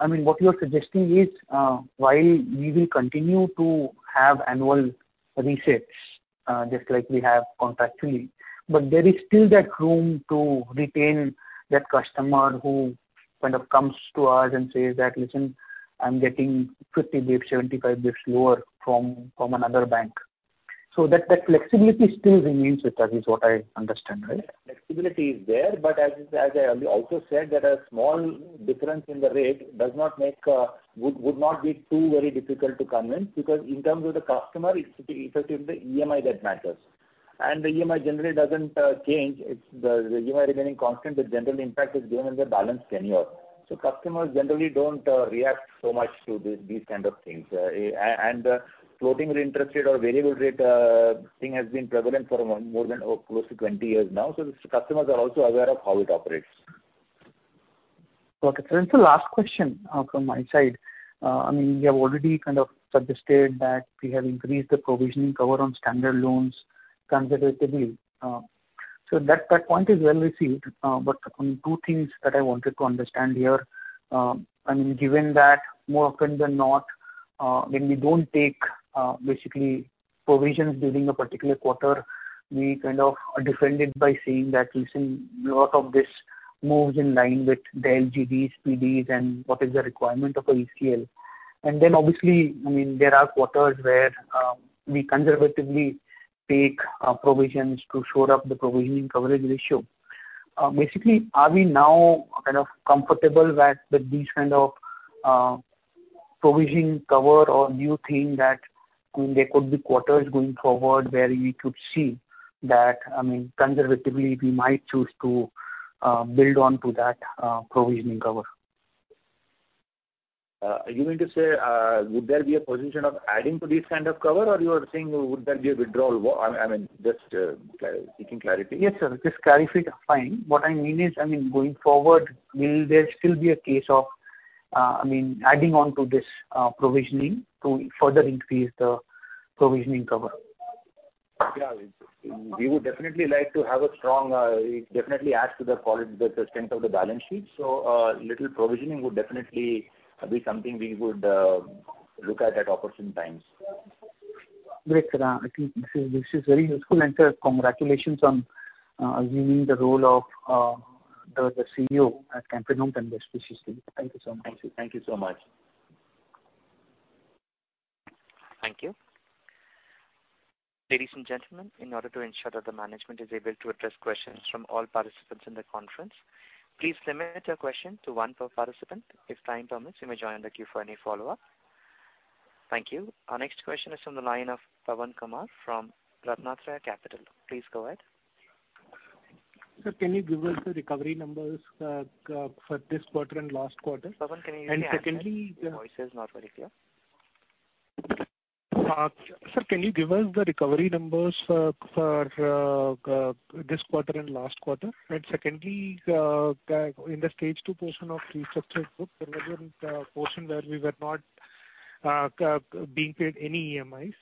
Speaker 13: I mean, what you're suggesting is, while we will continue to have annual resets, just like we have contractually, but there is still that room to retain that customer who kind of comes to us and says that, "Listen, I'm getting 50 bits, 75 bits lower from another bank." So that flexibility still remains with us, is what I understand. Right?
Speaker 3: Flexibility is there. As I also said that a small difference in the rate would not be too very difficult to convince because in terms of the customer, it's effectively EMI that matters. The EMI generally doesn't change. It's the EMI remaining constant, the general impact is given in the balance tenure. Customers generally don't react so much to these kind of things. Floating interest rate or variable rate thing has been prevalent for more than close to 20 years now. The customers are also aware of how it operates.
Speaker 13: Okay. Sir, it's the last question, from my side. I mean, you have already kind of suggested that we have increased the provisioning cover on standard loans considerably. That point is well received. I mean, two things that I wanted to understand here. I mean, given that more often than not, when we don't take, basically provisions during a particular quarter, we kind of defend it by saying that, listen, a lot of this moves in line with the LGDs, PDs, and what is the requirement of a ECL. Obviously, I mean, there are quarters where, we conservatively take, provisions to shore up the provisioning coverage ratio. Basically, are we now kind of comfortable that these kind of provision cover or do you think that there could be quarters going forward where we could see that, I mean, conservatively we might choose to build onto that provisioning cover?
Speaker 3: You mean to say, would there be a position of adding to this kind of cover or you are saying would there be a withdrawal? I mean, just seeking clarity.
Speaker 13: Yes, sir. Just clarify. Fine. What I mean is, I mean, going forward, will there still be a case of, I mean, adding on to this, provisioning to further increase the provisioning cover?
Speaker 3: Yeah. We would definitely like to have a strong, it definitely adds to the quality, the strength of the balance sheet. Little provisioning would definitely be something we would, look at at opportune times.
Speaker 13: Great, sir. I think this is very useful. Sir, congratulations on assuming the role of the CEO at Can Fin Homes Limited. Thank you so much.
Speaker 3: Thank you, thank you so much.
Speaker 1: Thank you. Ladies and gentlemen, in order to ensure that the management is able to address questions from all participants in the conference, please limit your question to one per participant. If time permits, you may join the queue for any follow-up. Thank you. Our next question is from the line of Pavan Kumar from RatnaTraya Capital. Please go ahead.
Speaker 14: Sir, can you give us the recovery numbers, for this quarter and last quarter?
Speaker 1: Pavan, can you repeat your answer?
Speaker 14: Secondly.
Speaker 1: Your voice is not very clear.
Speaker 14: Sir, can you give us the recovery numbers for this quarter and last quarter? Secondly, in the stage two portion of restructured book, there was a portion where we were not being paid any EMIs.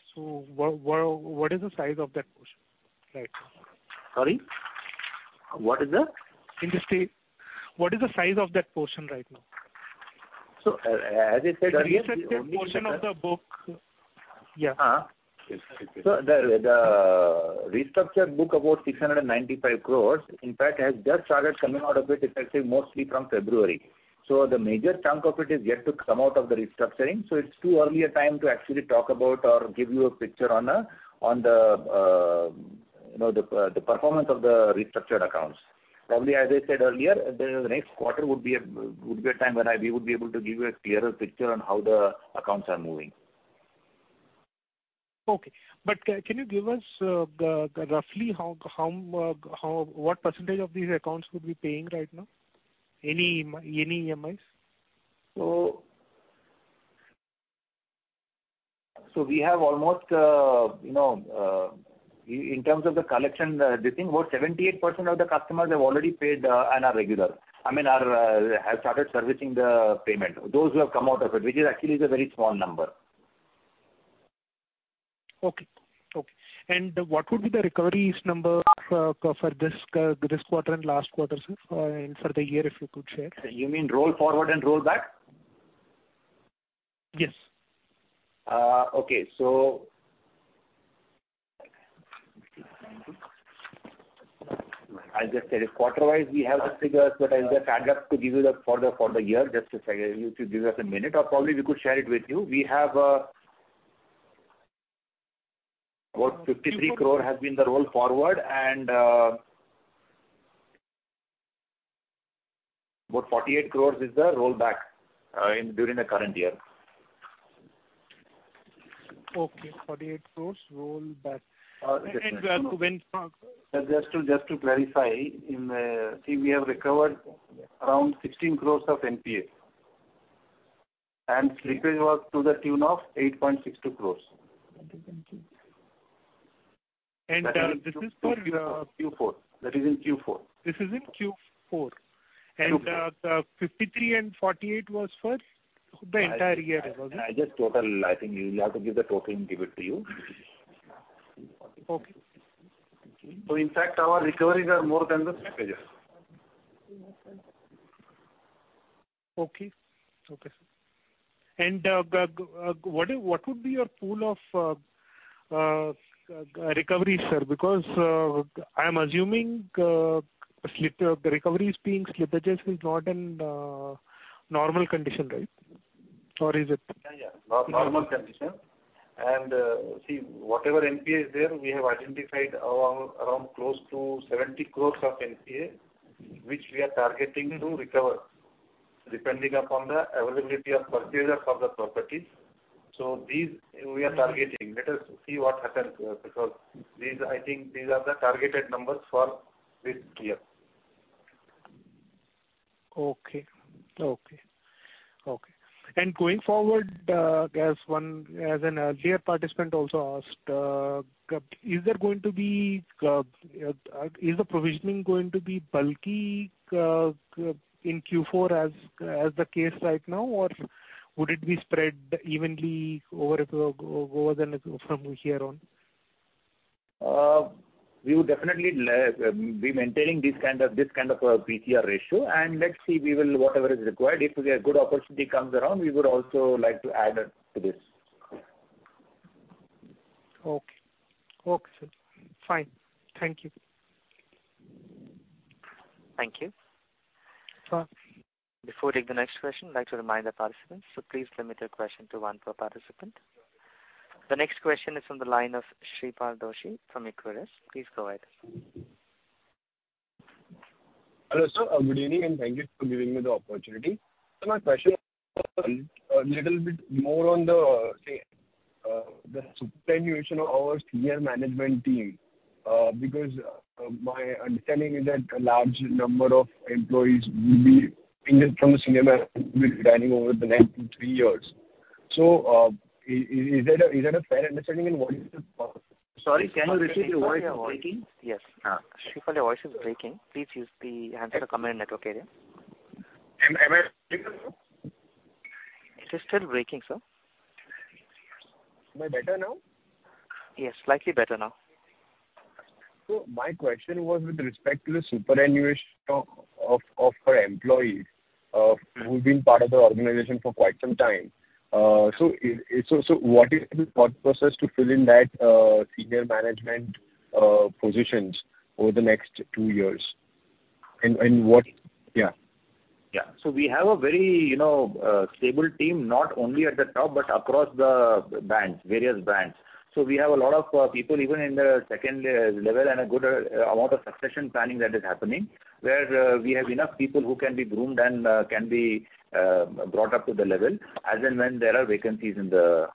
Speaker 14: What is the size of that portion right now?
Speaker 3: Sorry, what is that?
Speaker 14: What is the size of that portion right now?
Speaker 5: As I said earlier.
Speaker 14: The restructured portion of the book. Yeah.
Speaker 5: The restructured book about 695 crores, in fact, has just started coming out of it, effective mostly from February. The major chunk of it is yet to come out of the restructuring, so it's too early a time to actually talk about or give you a picture on the, you know, the performance of the restructured accounts. Probably, as I said earlier, the next quarter would be a time when we would be able to give you a clearer picture on how the accounts are moving.
Speaker 14: Okay. Can you give us, roughly how... what percentage of these accounts could be paying right now? Any EMI, any EMIs?
Speaker 5: We have almost, you know, in terms of the collection, this thing, about 78% of the customers have already paid and are regular. I mean, are, have started servicing the payment. Those who have come out of it, which is actually a very small number.
Speaker 14: Okay. What would be the recoveries number for this quarter and last quarter, sir, and for the year, if you could share?
Speaker 5: You mean roll forward and roll back?
Speaker 14: Yes.
Speaker 5: Okay. I'll just tell you. Quarter wise we have the figures, but I'll just add up to give you for the year just a second. If you give us a minute or probably we could share it with you. We have about 53 crore has been the roll forward and about 48 crore is the roll back during the current year.
Speaker 14: Okay. 48 crores roll back.
Speaker 3: just to-
Speaker 14: And, uh, when-
Speaker 3: Just to clarify, See, we have recovered around 16 crores of NPA and slippage was to the tune of 8.62 crores.
Speaker 14: And, uh, this is for, uh-
Speaker 3: Q4. That is in Q4.
Speaker 14: This is in Q4.
Speaker 3: Q4.
Speaker 14: 53 and 48 was for the entire year as well?
Speaker 3: I think we'll have to give the total and give it to you.
Speaker 14: Okay.
Speaker 5: In fact, our recoveries are more than the slippages.
Speaker 14: Okay. Okay, sir. What would be your pool of recovery, sir? I'm assuming, slip, the recovery is being slippages is not in normal condition, right? Or is it?
Speaker 5: Yeah. Yeah. Normal condition. see, whatever NPA is there, we have identified around close to 70 crores of NPA, which we are targeting to recover depending upon the availability of purchaser for the properties. These we are targeting. Let us see what happens, because these I think are the targeted numbers for this year.
Speaker 14: Okay. Okay. Okay. Going forward, as an earlier participant also asked, is there going to be, is the provisioning going to be bulky in Q4 as the case right now? Would it be spread evenly over the, from here on?
Speaker 3: We would definitely be maintaining this kind of a PCR ratio and let's see. We will, whatever is required, if a good opportunity comes around, we would also like to add it to this.
Speaker 14: Okay. Okay, sir. Fine. Thank you.
Speaker 1: Thank you.
Speaker 14: Sir.
Speaker 1: Before we take the next question, I'd like to remind the participants to please limit their question to one per participant. The next question is from the line of Shreepal Doshi from Equirus. Please go ahead.
Speaker 15: Hello, sir. Good evening, and thank you for giving me the opportunity. My question, little bit more on the, say, the superannuation of our senior management team. My understanding is that a large number of employees will be in the, from the senior management will be retiring over the next three years. Is that a fair understanding and what is the?
Speaker 3: Sorry, can you repeat? Your voice is breaking.
Speaker 15: Yes.
Speaker 3: Uh.
Speaker 1: Shri, your voice is breaking. Please use the handset or come in a network area.
Speaker 15: Am I breaking, sir?
Speaker 1: It is still breaking, sir.
Speaker 15: Am I better now?
Speaker 1: Yes, slightly better now.
Speaker 15: My question was with respect to the superannuation of our employees, who've been part of the organization for quite some time. What is the thought process to fill in that senior management positions over the next two years? And what... Yeah.
Speaker 3: Yeah. We have a very, you know, stable team, not only at the top, but across the bands, various bands. We have a lot of people even in the second level and a good amount of succession planning that is happening, where we have enough people who can be groomed and can be brought up to the level as and when there are vacancies in the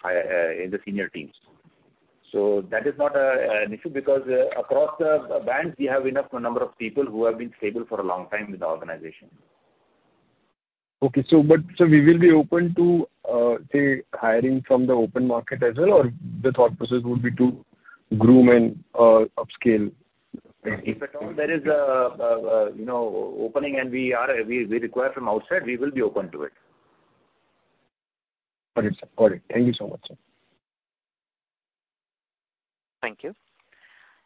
Speaker 3: senior teams. That is not an issue because across the bands, we have enough number of people who have been stable for a long time with the organization.
Speaker 15: Okay. We will be open to, say, hiring from the open market as well, or the thought process would be to groom and upscale?
Speaker 3: If at all there is a, you know, opening and we are, we require from outside, we will be open to it.
Speaker 15: Got it, sir. Got it. Thank you so much, sir.
Speaker 1: Thank you.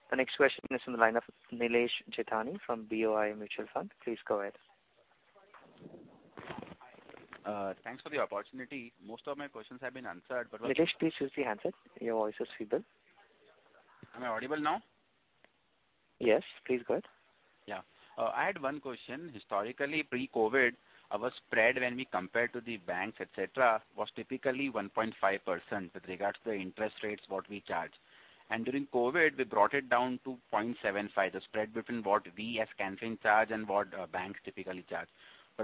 Speaker 1: The next question is from the line of Nilesh Jethani from BOI Mutual Fund. Please go ahead.
Speaker 16: Thanks for the opportunity. Most of my questions have been answered.
Speaker 1: Nilesh, please use the handset. Your voice is feeble.
Speaker 16: Am I audible now?
Speaker 1: Yes, please go ahead.
Speaker 16: Yeah. I had one question. Historically, pre-COVID, our spread when we compared to the banks, et cetera, was typically 1.5% with regards to the interest rates what we charge. During COVID, we brought it down to 0.75%, the spread between what we as Can Fin charge and what banks typically charge.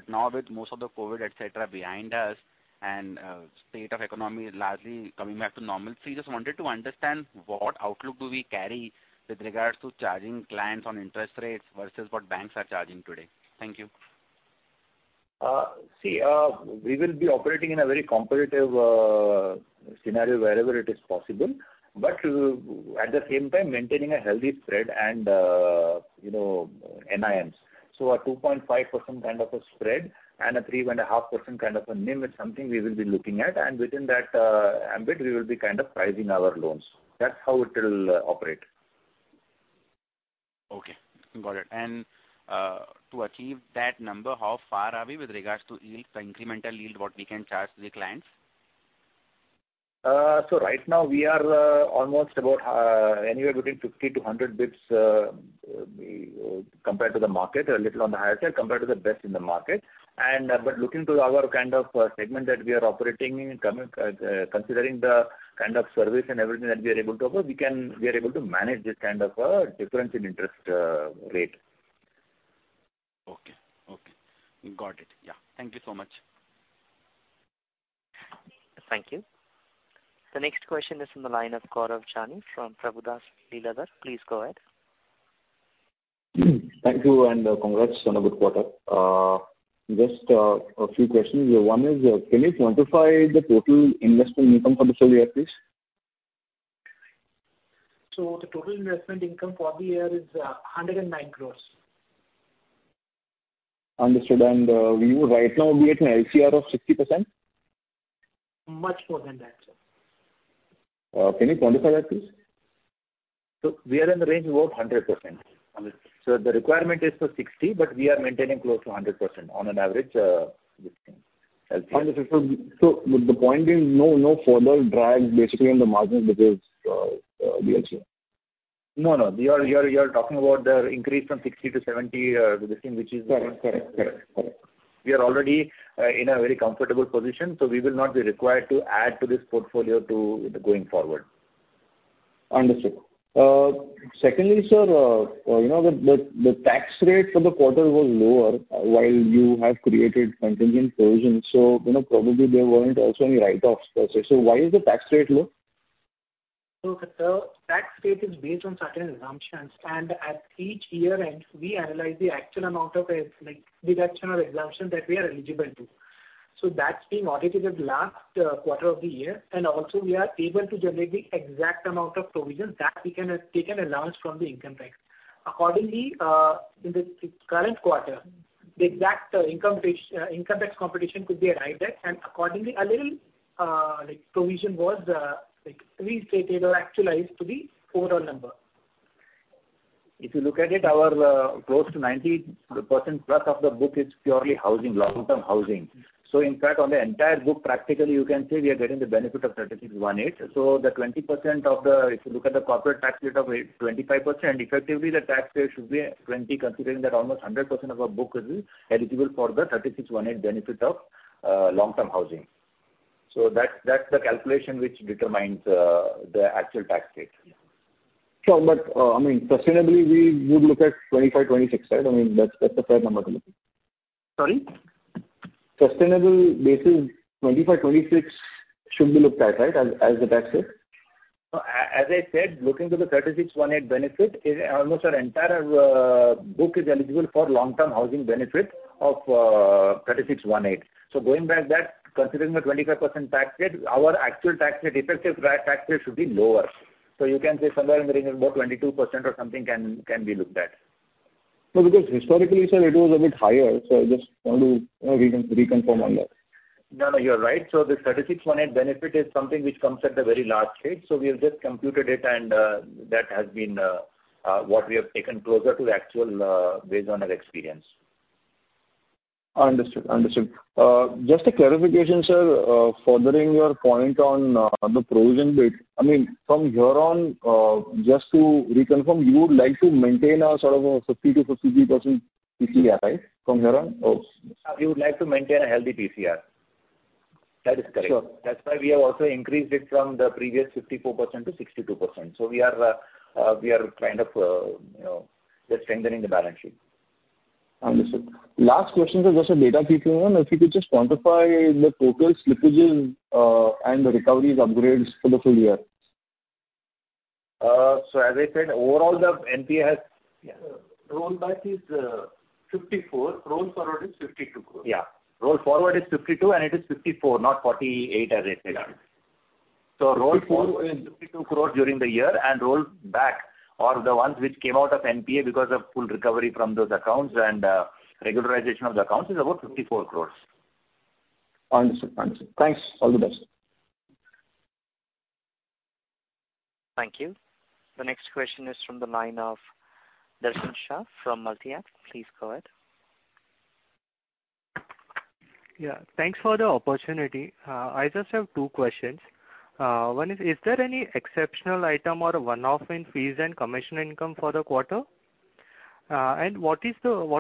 Speaker 16: Now with most of the COVID, et cetera, behind us and state of economy largely coming back to normalcy, just wanted to understand what outlook do we carry with regards to charging clients on interest rates versus what banks are charging today. Thank you.
Speaker 3: See, we will be operating in a very competitive scenario wherever it is possible, but at the same time maintaining a healthy spread and, you know, NIMs. A 2.5% kind of a spread and a 3.5% kind of a NIM is something we will be looking at. Within that ambit, we will be kind of pricing our loans. That's how it'll operate.
Speaker 16: Okay. Got it. To achieve that number, how far are we with regards to yield, the incremental yield what we can charge the clients?
Speaker 3: Right now we are, almost about, anywhere between 50 to 100 basis points, compared to the market, a little on the higher side compared to the best in the market. Looking to our kind of segment that we are operating in, considering the kind of service and everything that we are able to offer, we are able to manage this kind of a difference in interest rate.
Speaker 16: Okay. Okay. Got it. Yeah. Thank you so much.
Speaker 1: Thank you. The next question is from the line of Gaurav Jani from Prabhudas Lilladher. Please go ahead.
Speaker 17: Thank you. Congrats on a good quarter. Just a few questions. One is, can you quantify the total investment income for this full year, please?
Speaker 5: The total investment income for the year is 109 crores.
Speaker 17: Understood. We would right now be at an LCR of 60%?
Speaker 5: Much more than that, sir.
Speaker 17: Can you quantify that, please?
Speaker 3: we are in the range of about 100%.
Speaker 17: Understood.
Speaker 3: the requirement is for 60, but we are maintaining close to 100% on an average, this thing, LCR.
Speaker 17: Understood. The point being no further drag basically on the margins because LCR.
Speaker 3: No. You're talking about the increase from 60 to 70, the thing which is-
Speaker 17: Correct. Correct. Correct. Correct.
Speaker 3: We are already in a very comfortable position, so we will not be required to add to this portfolio going forward.
Speaker 17: Understood. Secondly, sir, you know, the tax rate for the quarter was lower while you have created contingent provisions. You know, probably there weren't also any write-offs per se. Why is the tax rate low?
Speaker 5: Sir, tax rate is based on certain assumptions, and at each year-end, we analyze the actual amount of like deduction or exemption that we are eligible to. That's being audited at last quarter of the year. Also we are able to generate the exact amount of provision that we can take an allowance from the income tax. Accordingly, in the current quarter, the exact income tax, income tax computation could be arrived at, accordingly, a little like provision was like restated or actualized to the overall number.
Speaker 3: If you look at it, our close to 90%+ of the book is purely housing, long-term housing. In fact, on the entire book, practically you can say we are getting the benefit of 36(1)(viii). If you look at the corporate tax rate of 25%, effectively the tax rate should be 20%, considering that almost 100% of our book is eligible for the 36(1)(viii) benefit of long-term housing. That, that's the calculation which determines the actual tax rate.
Speaker 17: Sure. I mean, sustainably we would look at 25, 26, right? I mean, that's the fair number to look at.
Speaker 5: Sorry?
Speaker 17: Sustainable basis, 25, 26 should be looked at, right, as the tax rate?
Speaker 5: No. As I said, looking to the 36(1)(viii) benefit is almost our entire book is eligible for long-term housing benefit of 36(1)(viii). Going by that, considering the 25% tax rate, our actual tax rate, effective tax rate should be lower. You can say somewhere in the range of about 22% or something can be looked at.
Speaker 17: No, because historically, sir, it was a bit higher, so I just want to, you know, re-reconfirm on that.
Speaker 5: No, no, you're right. The 36(1)(viii) benefit is something which comes at a very large rate. We have just computed it and that has been what we have taken closer to the actual based on our experience.
Speaker 17: Understood. Understood. Just a clarification, sir. Furthering your point on the provision bit, I mean, from here on, just to reconfirm, you would like to maintain a sort of a 50% to 52% PCR, right, from here on?
Speaker 5: We would like to maintain a healthy PCR. That is correct.
Speaker 17: Sure.
Speaker 3: That's why we have also increased it from the previous 54% to 62%. We are kind of, you know, just strengthening the balance sheet.
Speaker 17: Understood. Last question, sir, just a data point. If you could just quantify the total slippages, and the recoveries upgrades for the full year?
Speaker 3: as I said, overall the NPA has.
Speaker 5: Rollback is 54. Roll forward is 52 crore.
Speaker 3: Yeah. roll forward is 52 and it is 54, not 48 as I said earlier.
Speaker 17: Yeah.
Speaker 3: roll forward is 52 crore during the year and roll back are the ones which came out of NPA because of full recovery from those accounts and regularization of the accounts is about 54 crore.
Speaker 17: Understood. Understood. Thanks. All the best.
Speaker 1: Thank you. The next question is from the line of Darshan Shah from Multi-Act. Please go ahead.
Speaker 18: Yeah. Thanks for the opportunity. I just have two questions. One is there any exceptional item or a one-off in fees and commission income for the quarter? What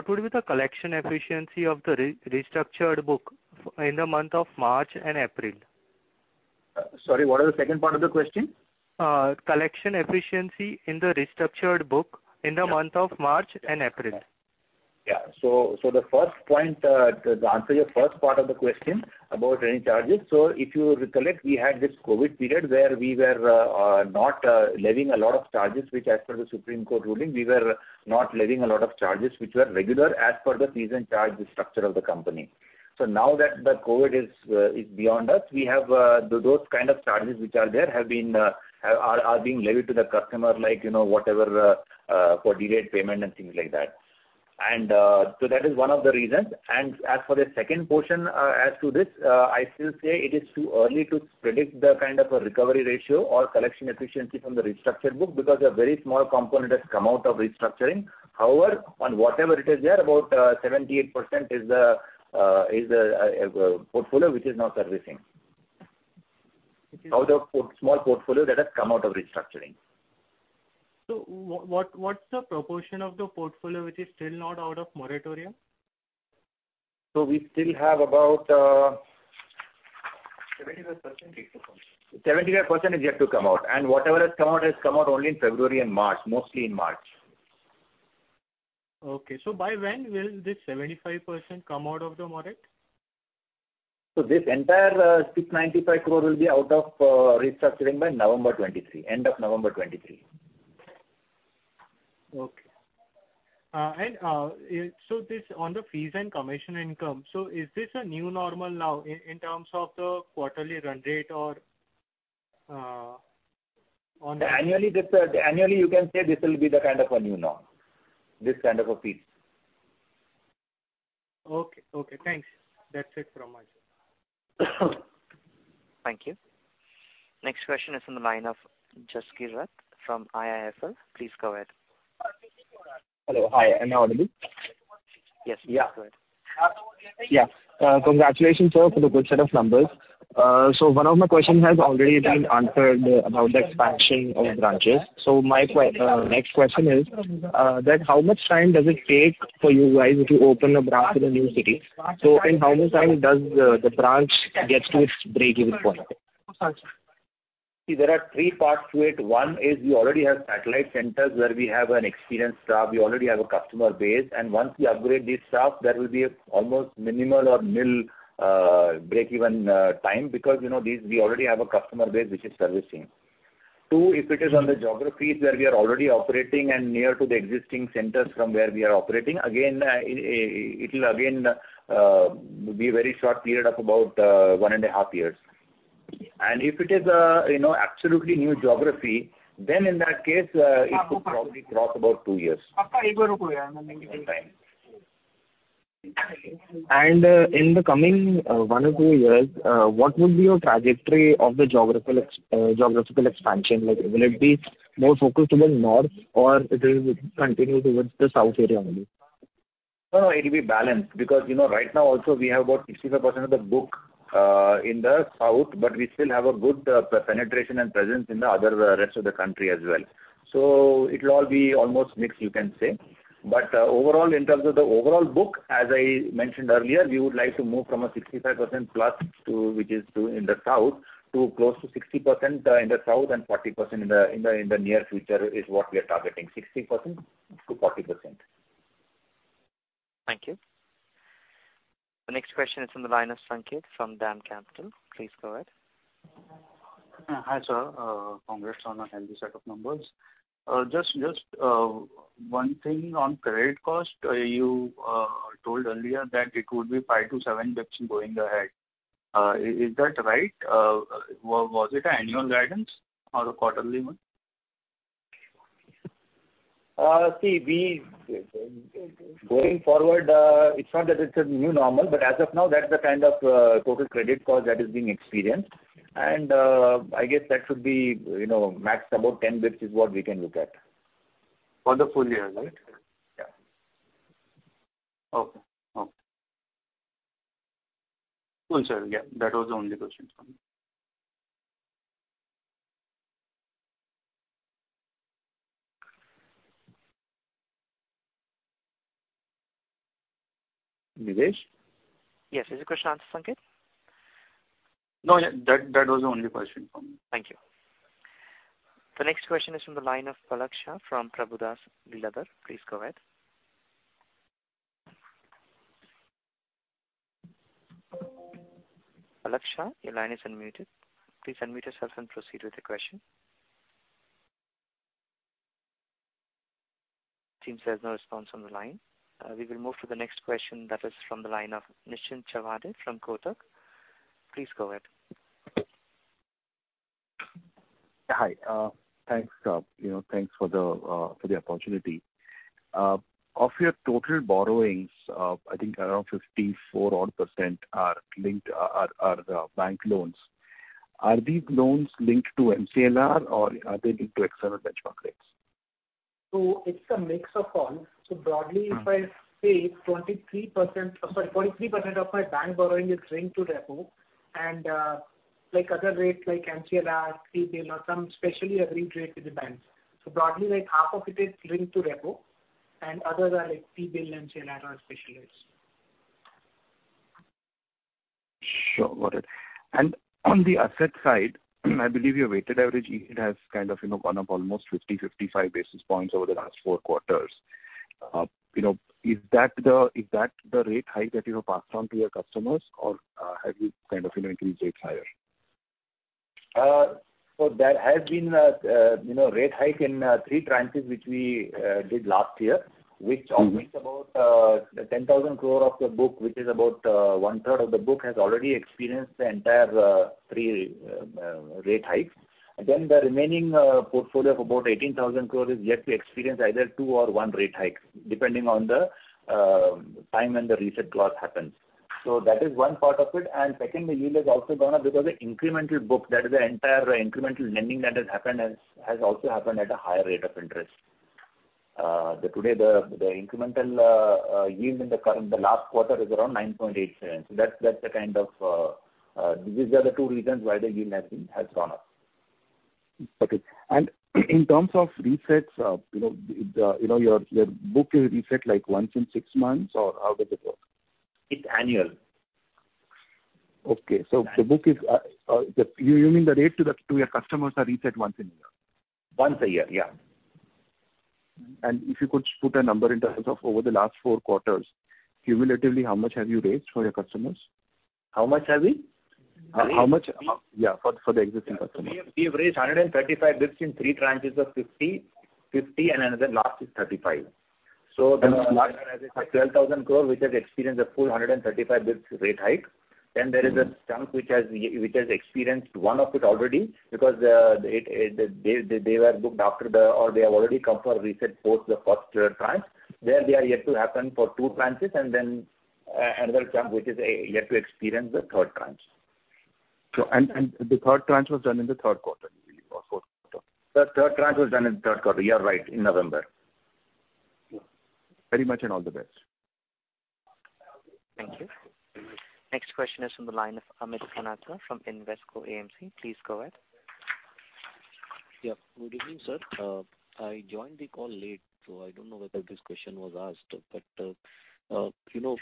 Speaker 18: would be the collection efficiency of the restructured book in the month of March and April?
Speaker 3: Sorry, what is the second part of the question?
Speaker 18: Collection efficiency in the restructured book in the month of March and April.
Speaker 3: The first point to answer your first part of the question about any charges. If you recollect, we had this COVID period where we were not levying a lot of charges, which as per the Supreme Court ruling, we were not levying a lot of charges which were regular as per the fees and charges structure of the company. Now that the COVID is beyond us, we have those kind of charges which are there have been are being levied to the customer like, you know, whatever, for delayed payment and things like that. That is one of the reasons. As for the second portion, as to this, I still say it is too early to predict the kind of a recovery ratio or collection efficiency from the restructured book because a very small component has come out of restructuring. However, on whatever it is there, about, 78% is the portfolio which is now servicing.
Speaker 18: Okay.
Speaker 3: Out of small portfolio that has come out of restructuring.
Speaker 18: What's the proportion of the portfolio which is still not out of moratorium?
Speaker 3: We still have about.
Speaker 5: 75% is to come.
Speaker 3: 75% is yet to come out. Whatever has come out has come out only in February and March, mostly in March.
Speaker 18: Okay. By when will this 75% come out of the morat?
Speaker 3: This entire 695 crore will be out of restructuring by November 2023, end of November 2023.
Speaker 18: Okay. This on the fees and commission income, so is this a new normal now in terms of the quarterly run rate or on the?
Speaker 3: Annually you can say this will be the kind of a new norm, this kind of a fees.
Speaker 18: Okay. Okay, thanks. That's it from my side.
Speaker 1: Thank you. Next question is from the line of Jaski Rat from IIFL. Please go ahead.
Speaker 19: Hello. Hi. Am I audible?
Speaker 1: Yes.
Speaker 19: Yeah.
Speaker 1: Go ahead.
Speaker 19: Yeah. Congratulations, sir for the good set of numbers. One of my question has already been answered about the expansion of branches. My next question is, that how much time does it take for you guys to open a branch in a new city? In how much time does the branch gets to its breakeven point?
Speaker 3: See, there are three parts to it. One is we already have satellite centers where we have an experienced staff. We already have a customer base. Once we upgrade this staff, there will be almost minimal or nil breakeven time because, you know, these we already have a customer base which is servicing. Two, if it is on the geographies where we are already operating and near to the existing centers from where we are operating, again, it'll again be a very short period of about one and a half years. If it is, you know, absolutely new geography, then in that case, it could probably cross about two years.
Speaker 19: In the coming, one or two years, what would be your trajectory of the geographical expansion? Like, will it be more focused towards north or it will continue towards the south area only?
Speaker 3: no, it'll be balanced because, you know, right now also we have about 65% of the book in the south, but we still have a good penetration and presence in the other rest of the country as well. It'll all be almost mixed you can say. Overall, in terms of the overall book, as I mentioned earlier, we would like to move from a 65% plus to which is to in the south to close to 60% in the south and 40% in the near future is what we are targeting. 60% to 40%.
Speaker 1: Thank you. The next question is from the line of Sanket from DAM Capital. Please go ahead.
Speaker 20: Hi, sir, Congrats on a healthy set of numbers. Just one thing on credit cost. You told earlier that it would be 5 to 7 basis going ahead. Is that right? Was it annual guidance or a quarterly one?
Speaker 3: See, going forward, it's not that it's a new normal, but as of now, that's the kind of, total credit cost that is being experienced. I guess that should be, you know, max about 10 basis what we can look at.
Speaker 20: For the full year, right?
Speaker 3: Yeah.
Speaker 20: Okay. Okay. Cool, sir. Yeah, that was the only question from me.
Speaker 3: Nilesh?
Speaker 1: Yes. Is the question answered, Sanket?
Speaker 20: No, yeah. That was the only question from me.
Speaker 1: Thank you. The next question is from the line of Palak Shah from Prabhudas Lilladher. Please go ahead. Palak Shah, your line is unmuted. Please unmute yourself and proceed with the question. It seems there's no response on the line. We will move to the next question that is from the line of Nishant Sachdeva from Kotak. Please go ahead.
Speaker 21: Hi. thanks, you know, thanks for the opportunity. Of your total borrowings, I think around 54% odd are linked, are the bank loans. Are these loans linked to MCLR or are they linked to external benchmark rates?
Speaker 5: It's a mix of all. Broadly, if I say 23% of my bank borrowing is linked to repo and like other rates like MCLR, CIBIL or some specially agreed rate with the banks. Broadly like half of it is linked to repo and others are like CIBIL and MCLR or special rates.
Speaker 21: Sure. Got it. On the asset side, I believe your weighted average yield has kind of, you know, gone up almost 50-55 basis points over the last four quarters. You know, is that the rate hike that you have passed on to your customers or, have you kind of, you know, increased rates higher?
Speaker 5: There has been a, you know, rate hike in three tranches which we did last year, which of which about 10,000 crore of the book, which is about one-third of the book has already experienced the entire three rate hike. Again, the remaining portfolio of about 18,000 crore is yet to experience either two or one rate hike, depending on the time when the reset clause happens. That is one part of it. And secondly, yield has also gone up because the incremental book, that is the entire incremental lending that has happened has also happened at a higher rate of interest. Today the incremental yield in the current, the last quarter is around 9.87%. That's the kind of. These are the two reasons why the yield has been, has gone up.
Speaker 21: Okay. In terms of resets, you know, your book is reset like once in six months or how does it work?
Speaker 3: It's annual.
Speaker 21: Okay. The book is, you mean the rate to your customers are reset once in a year?
Speaker 3: Once a year. Yeah.
Speaker 21: If you could put a number in terms of over the last four quarters, cumulatively how much have you raised for your customers?
Speaker 3: How much have we raised?
Speaker 21: How much... Yeah, for the existing customers.
Speaker 5: We have raised 135 basis in three tranches of 50 and another last is 35. The larger asset for 12,000 crore, which has experienced a full 135 basis rate hike. There is a chunk which has experienced one of it already because it, they were booked after the or they have already come for a reset post the first tranche. There they are yet to happen for two tranches and another chunk which is yet to experience the third tranche. And the third tranche was done in the third quarter you believe or fourth quarter?
Speaker 3: The third tranche was done in the third quarter. You are right. In November.
Speaker 21: Very much and all the best.
Speaker 1: Thank you. Next question is from the line of Amit Ganatra from Invesco AMC. Please go ahead.
Speaker 22: Yeah. Good evening, sir. I joined the call late, so I don't know whether this question was asked, but, you know,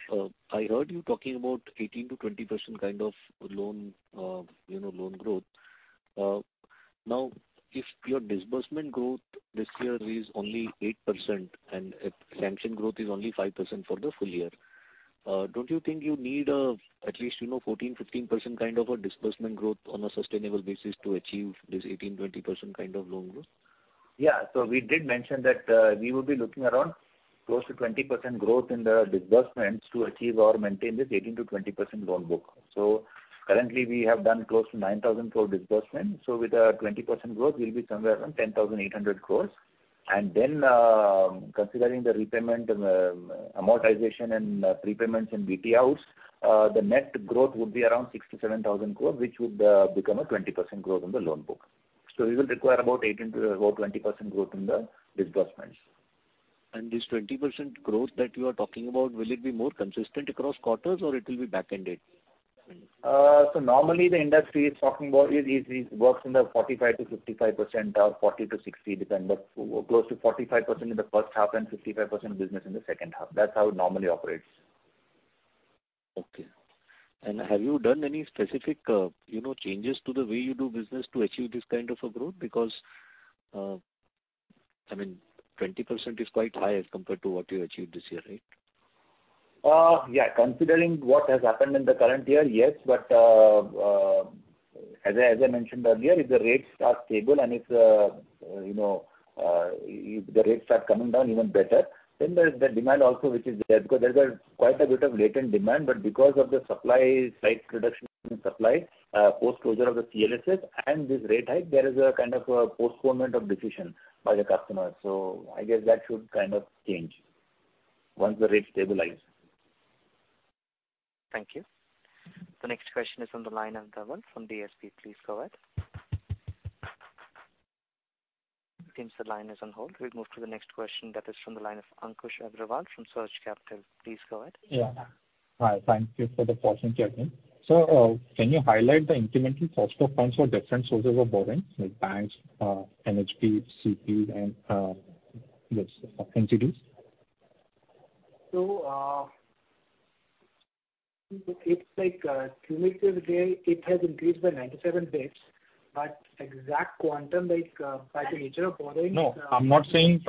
Speaker 22: I heard you talking about 18% to 20% kind of loan, you know, loan growth. If your disbursement growth this year is only 8% and if sanction growth is only 5% for the full year, don't you think you need, at least, you know, 14% to 15% kind of a disbursement growth on a sustainable basis to achieve this 18% to 20% kind of loan growth?
Speaker 3: Yeah. We did mention that, we will be looking around close to 20% growth in the disbursements to achieve or maintain this 18% to 20% loan book. Currently we have done close to 9,000 crore disbursement. With a 20% growth we'll be somewhere around 10,800 crore. Then, considering the repayment and, amortization and, prepayments and BT outs, the net growth would be around 6,000 to 7,000 crore, which would become a 20% growth on the loan book. So we will require about 18% to about 20% growth in the disbursements.
Speaker 22: This 20% growth that you are talking about, will it be more consistent across quarters or it will be back-ended?
Speaker 3: Normally the industry is talking about is works in the 45% to 55% or 40% to 60%, close to 45% in the first half and 55% business in the second half. That's how it normally operates.
Speaker 22: Okay. Have you done any specific, you know, changes to the way you do business to achieve this kind of a growth? I mean, 20% is quite high as compared to what you achieved this year, right?
Speaker 3: Yeah. Considering what has happened in the current year, yes. As I mentioned earlier, if the rates are stable and if, you know, if the rates start coming down even better, then there's the demand also which is there. Because there's a quite a bit of latent demand, but because of the supply, slight reduction in supply, post-closure of the CLSS and this rate hike, there is a kind of a postponement of decision by the customer. I guess that should kind of change once the rates stabilize.
Speaker 1: Thank you. The next question is on the line of Dharwal from DSP. Please go ahead. It seems the line is on hold. We'll move to the next question that is from the line of Ankush Agrawal from Surge Capital. Please go ahead.
Speaker 7: Yeah. Hi. Thank you for the portion, Jatin. Can you highlight the incremental cost of funds for different sources of borrowing, like banks, NHB, CPs and, yes, NCDs?
Speaker 5: It's like, cumulatively it has increased by 97 basis, but exact quantum like, by the nature of borrowing...
Speaker 7: No, I'm not saying,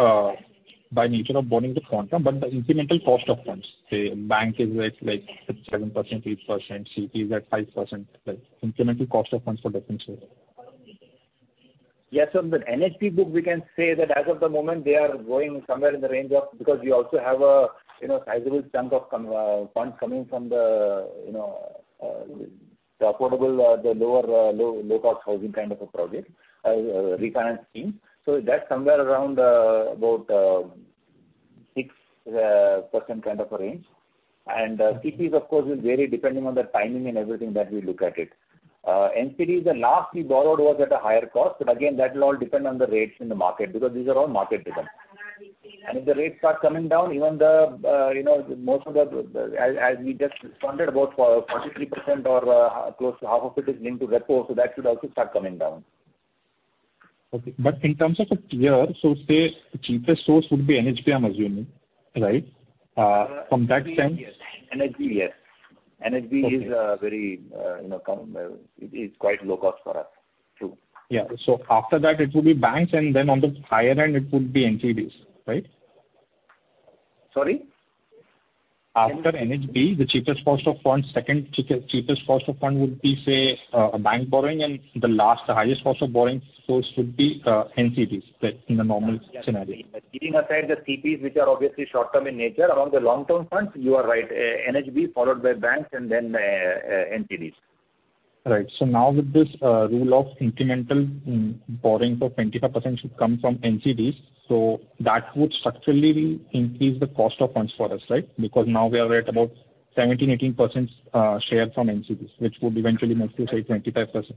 Speaker 7: by nature of borrowing the quantum, but the incremental cost of funds. Say bank is at like 6%, 7%, 8%, CP is at 5%. Like incremental cost of funds for different sources.
Speaker 5: Yeah. The NHB book we can say that as of the moment, they are going somewhere in the range of... Because we also have a, you know, sizable chunk of funds coming from the, you know, the affordable, the lower, low-cost housing kind of a project, refinance scheme. That's somewhere around, about, 6% kind of a range. CPs of course will vary depending on the timing and everything that we look at it. NCDs, the last we borrowed was at a higher cost, but again, that will all depend on the rates in the market because these are all market driven. If the rates start coming down, even the, you know, most of the... As we just responded about for 43% or, close to half of it is linked to repo, that should also start coming down.
Speaker 7: Okay. In terms of a tier, so say the cheapest source would be NHB, I'm assuming, right? From that sense.
Speaker 5: NHB, yes. NHB, yes.
Speaker 7: Okay.
Speaker 3: NHB is a very, you know, it is quite low cost for us too.
Speaker 7: Yeah. After that it would be banks, on the higher end it would be NCDs, right?
Speaker 5: Sorry.
Speaker 7: After NHB, the cheapest cost of funds, second cheapest cost of fund would be say, a bank borrowing and the last highest cost of borrowing source would be, NCDs, right? In a normal scenario.
Speaker 5: Yes. Keeping aside the CPs which are obviously short-term in nature, among the long-term funds, you are right. NHB followed by banks and then NCDs.
Speaker 7: Right. Now with this rule of incremental borrowing for 25% should come from NCDs, so that would structurally increase the cost of funds for us, right? Because now we are at about 17% to 18% share from NCDs, which would eventually move to, say, 25%.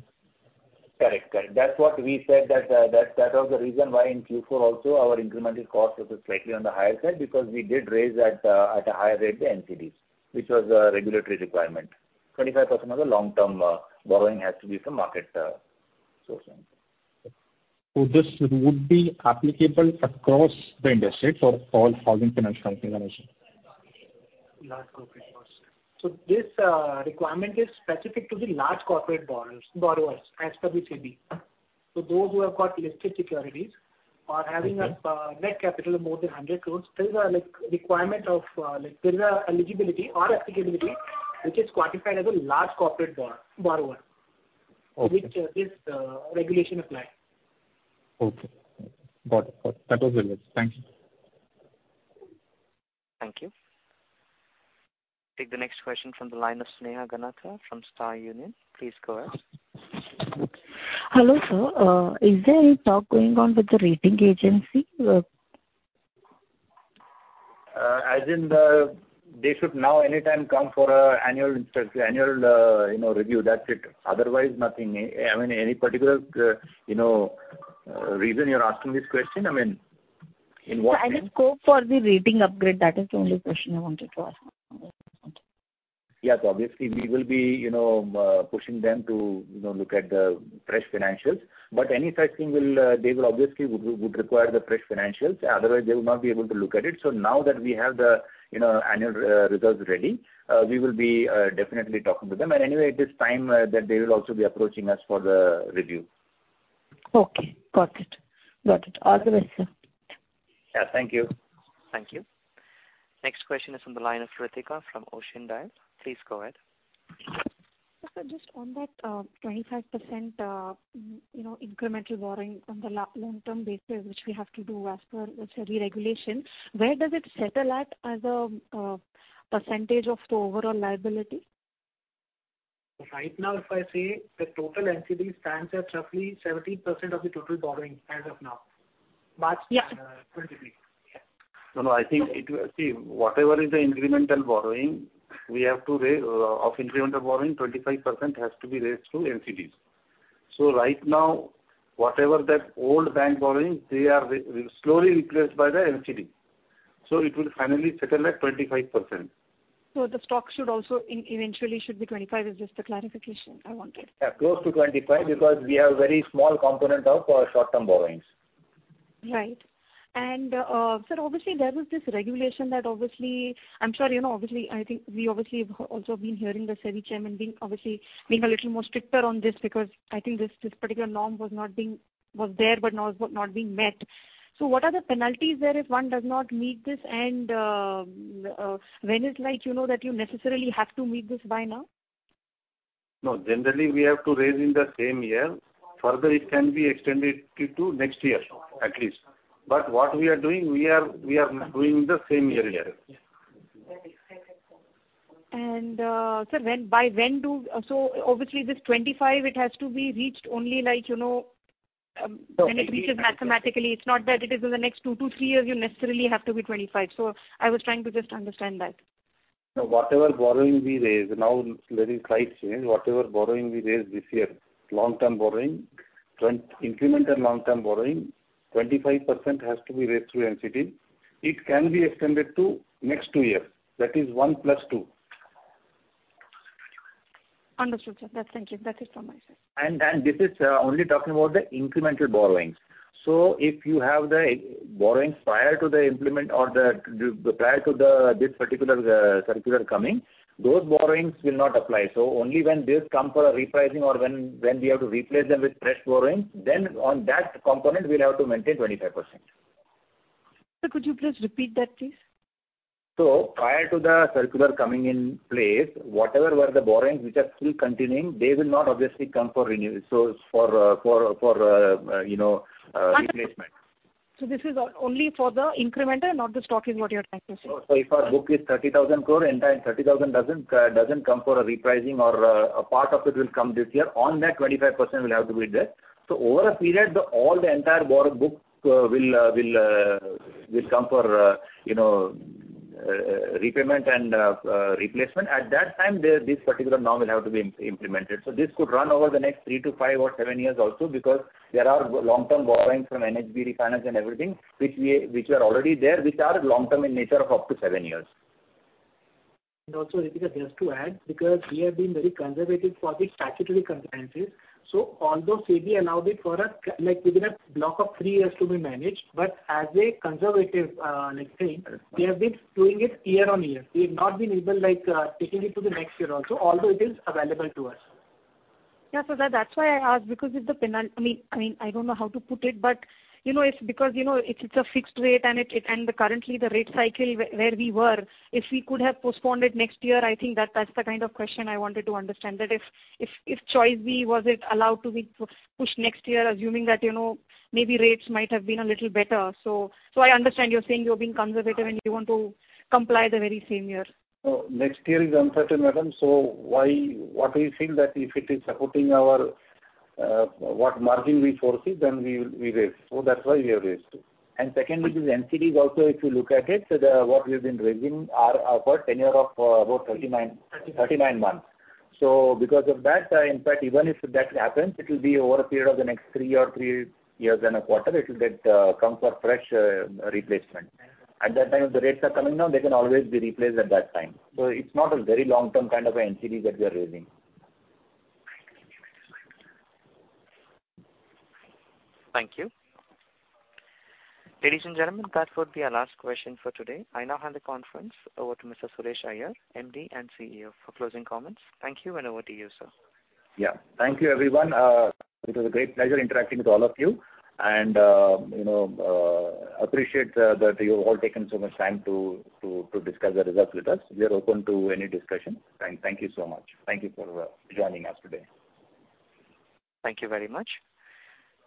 Speaker 5: Correct. That's what we said that was the reason why in Q4 also our incremental cost was slightly on the higher side because we did raise at a higher rate the NCDs, which was a regulatory requirement. 25% of the long-term borrowing has to be from market sources.
Speaker 7: This would be applicable across the industry for all housing finance companies, I'm assuming.
Speaker 23: Large corporate, yes. This requirement is specific to the large corporate borrowers as per the SEBI. Those who have got listed securities or having a net capital of more than 100 crores, there is a, like, requirement of, like there's a eligibility or applicability which is quantified as a large corporate borrower.
Speaker 7: Okay.
Speaker 23: Which this regulation apply.
Speaker 7: Okay. Got it. Got it. That was really it. Thank you.
Speaker 1: Thank you. Take the next question from the line of Sneha Ganatra from Star Union. Please go ahead.
Speaker 24: Hello, sir. Is there any talk going on with the rating agency?
Speaker 3: as in the... They should now anytime come for a annual, you know, review. That's it. Otherwise nothing. I mean, any particular, you know, reason you're asking this question? I mean, in what-
Speaker 24: Any scope for the rating upgrade? That is the only question I wanted to ask.
Speaker 3: Yeah. Obviously we will be, you know, pushing them to, you know, look at the fresh financials. Any such thing will, they would obviously require the fresh financials. Otherwise they would not be able to look at it. Now that we have the, you know, annual results ready, we will be definitely talking to them. Anyway it is time, that they will also be approaching us for the review.
Speaker 24: Okay. Got it. Got it. All the best, sir.
Speaker 3: Yeah. Thank you.
Speaker 1: Thank you. Next question is on the line of Ritika from Ocean Dial. Please go ahead.
Speaker 25: Just on that, 25%, you know, incremental borrowing on the long term basis, which we have to do as per the SEBI regulation, where does it settle at as a percentage of the overall liability?
Speaker 3: Right now if I say the total NCD stands at roughly 17% of the total borrowing as of now.
Speaker 25: Yeah.
Speaker 3: 23. No, no, I think it will. See, whatever is the incremental borrowing, we have to raise, of incremental borrowing, 25% has to be raised through NCDs. Right now, whatever that old bank borrowing, they are slowly replaced by the NCD. It will finally settle at 25%.
Speaker 25: The stock should also eventually should be 25. It's just the clarification I wanted.
Speaker 3: Yeah, close to 25 because we have very small component of short-term borrowings.
Speaker 25: Right. Sir, obviously there was this regulation that I'm sure you know, I think we have also been hearing the SEBI chairman being a little more stricter on this because I think this particular norm was not being met. What are the penalties there if one does not meet this and when is like, you know, that you necessarily have to meet this by now?
Speaker 3: No. Generally, we have to raise in the same year. Further, it can be extended to next year at least. What we are doing, we are doing the same year here.
Speaker 25: When, by when? Obviously this 25, it has to be reached only like, you know.
Speaker 3: No.
Speaker 25: when it reaches mathematically, it's not that it is in the next 2 to 3 years you necessarily have to be 25. I was trying to just understand that.
Speaker 3: Whatever borrowing we raise now, there is slight change. Whatever borrowing we raise this year, long-term borrowing, incremental long-term borrowing, 25% has to be raised through NCD. It can be extended to next 2 years. That is one plus two.
Speaker 25: Understood, sir. That's thank you. That is from my side.
Speaker 3: This is only talking about the incremental borrowings. If you have the borrowings prior to the implement or the prior to this particular circular coming, those borrowings will not apply. Only when this come for a repricing or when we have to replace them with fresh borrowings, then on that component we'll have to maintain 25%.
Speaker 25: Sir, could you please repeat that, please?
Speaker 3: Prior to the circular coming in place, whatever were the borrowings which are still continuing, they will not obviously come for renew. For, you know, replacement.
Speaker 25: This is only for the incremental, not the stock is what you're saying, yes, sir?
Speaker 3: If our book is 30,000 crore, entire 30,000 doesn't come for a repricing or a part of it will come this year. On that 25% will have to be there. Over a period, the entire borrow book will come for repayment and replacement. At that time, this particular norm will have to be implemented. This could run over the next 3 to 5 or 7 years also because there are long-term borrowings from NHB refinance and everything which were already there, which are long-term in nature of up to 7 years.
Speaker 5: Ritika, just to add, because we have been very conservative for the statutory compliances. Although SEBI allowed it for a like within a block of three years to be managed, but as a conservative, like thing, we have been doing it year-on-year. We have not been able like, taking it to the next year also, although it is available to us.
Speaker 25: Yeah. That's why I asked because if I mean, I don't know how to put it, but, you know, it's because, you know, it's a fixed rate and it, and the currently the rate cycle where we were, if we could have postponed it next year, I think that's the kind of question I wanted to understand. If choice B was it allowed to be pushed next year, assuming that, you know, maybe rates might have been a little better? I understand you're saying you're being conservative and you want to comply the very same year.
Speaker 3: Next year is uncertain, madam. Why, what we feel that if it is supporting our what margin resources, then we raise. That's why we have raised it. Second, which is NCDs also, if you look at it, what we've been raising are for tenure of about 39 months. Because of that, in fact even if that happens, it will be over a period of the next 3 years and a quarter it will get come for fresh replacement. At that time, if the rates are coming down, they can always be replaced at that time. It's not a very long-term kind of a NCD that we are raising.
Speaker 1: Thank you. Ladies and gentlemen, that would be our last question for today. I now hand the conference over to Mr. Suresh Iyer, MD and CEO for closing comments. Thank you and over to you, sir.
Speaker 3: Yeah. Thank you everyone. It was a great pleasure interacting with all of you. You know, appreciate that you've all taken so much time to discuss the results with us. We are open to any discussion. Thank you so much. Thank you for joining us today.
Speaker 1: Thank you very much.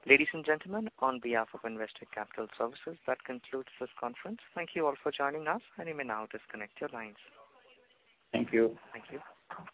Speaker 1: Ladies and gentlemen, on behalf of Investec Capital Services, that concludes this conference. Thank you all for joining us and you may now disconnect your lines.
Speaker 3: Thank you.
Speaker 1: Thank you.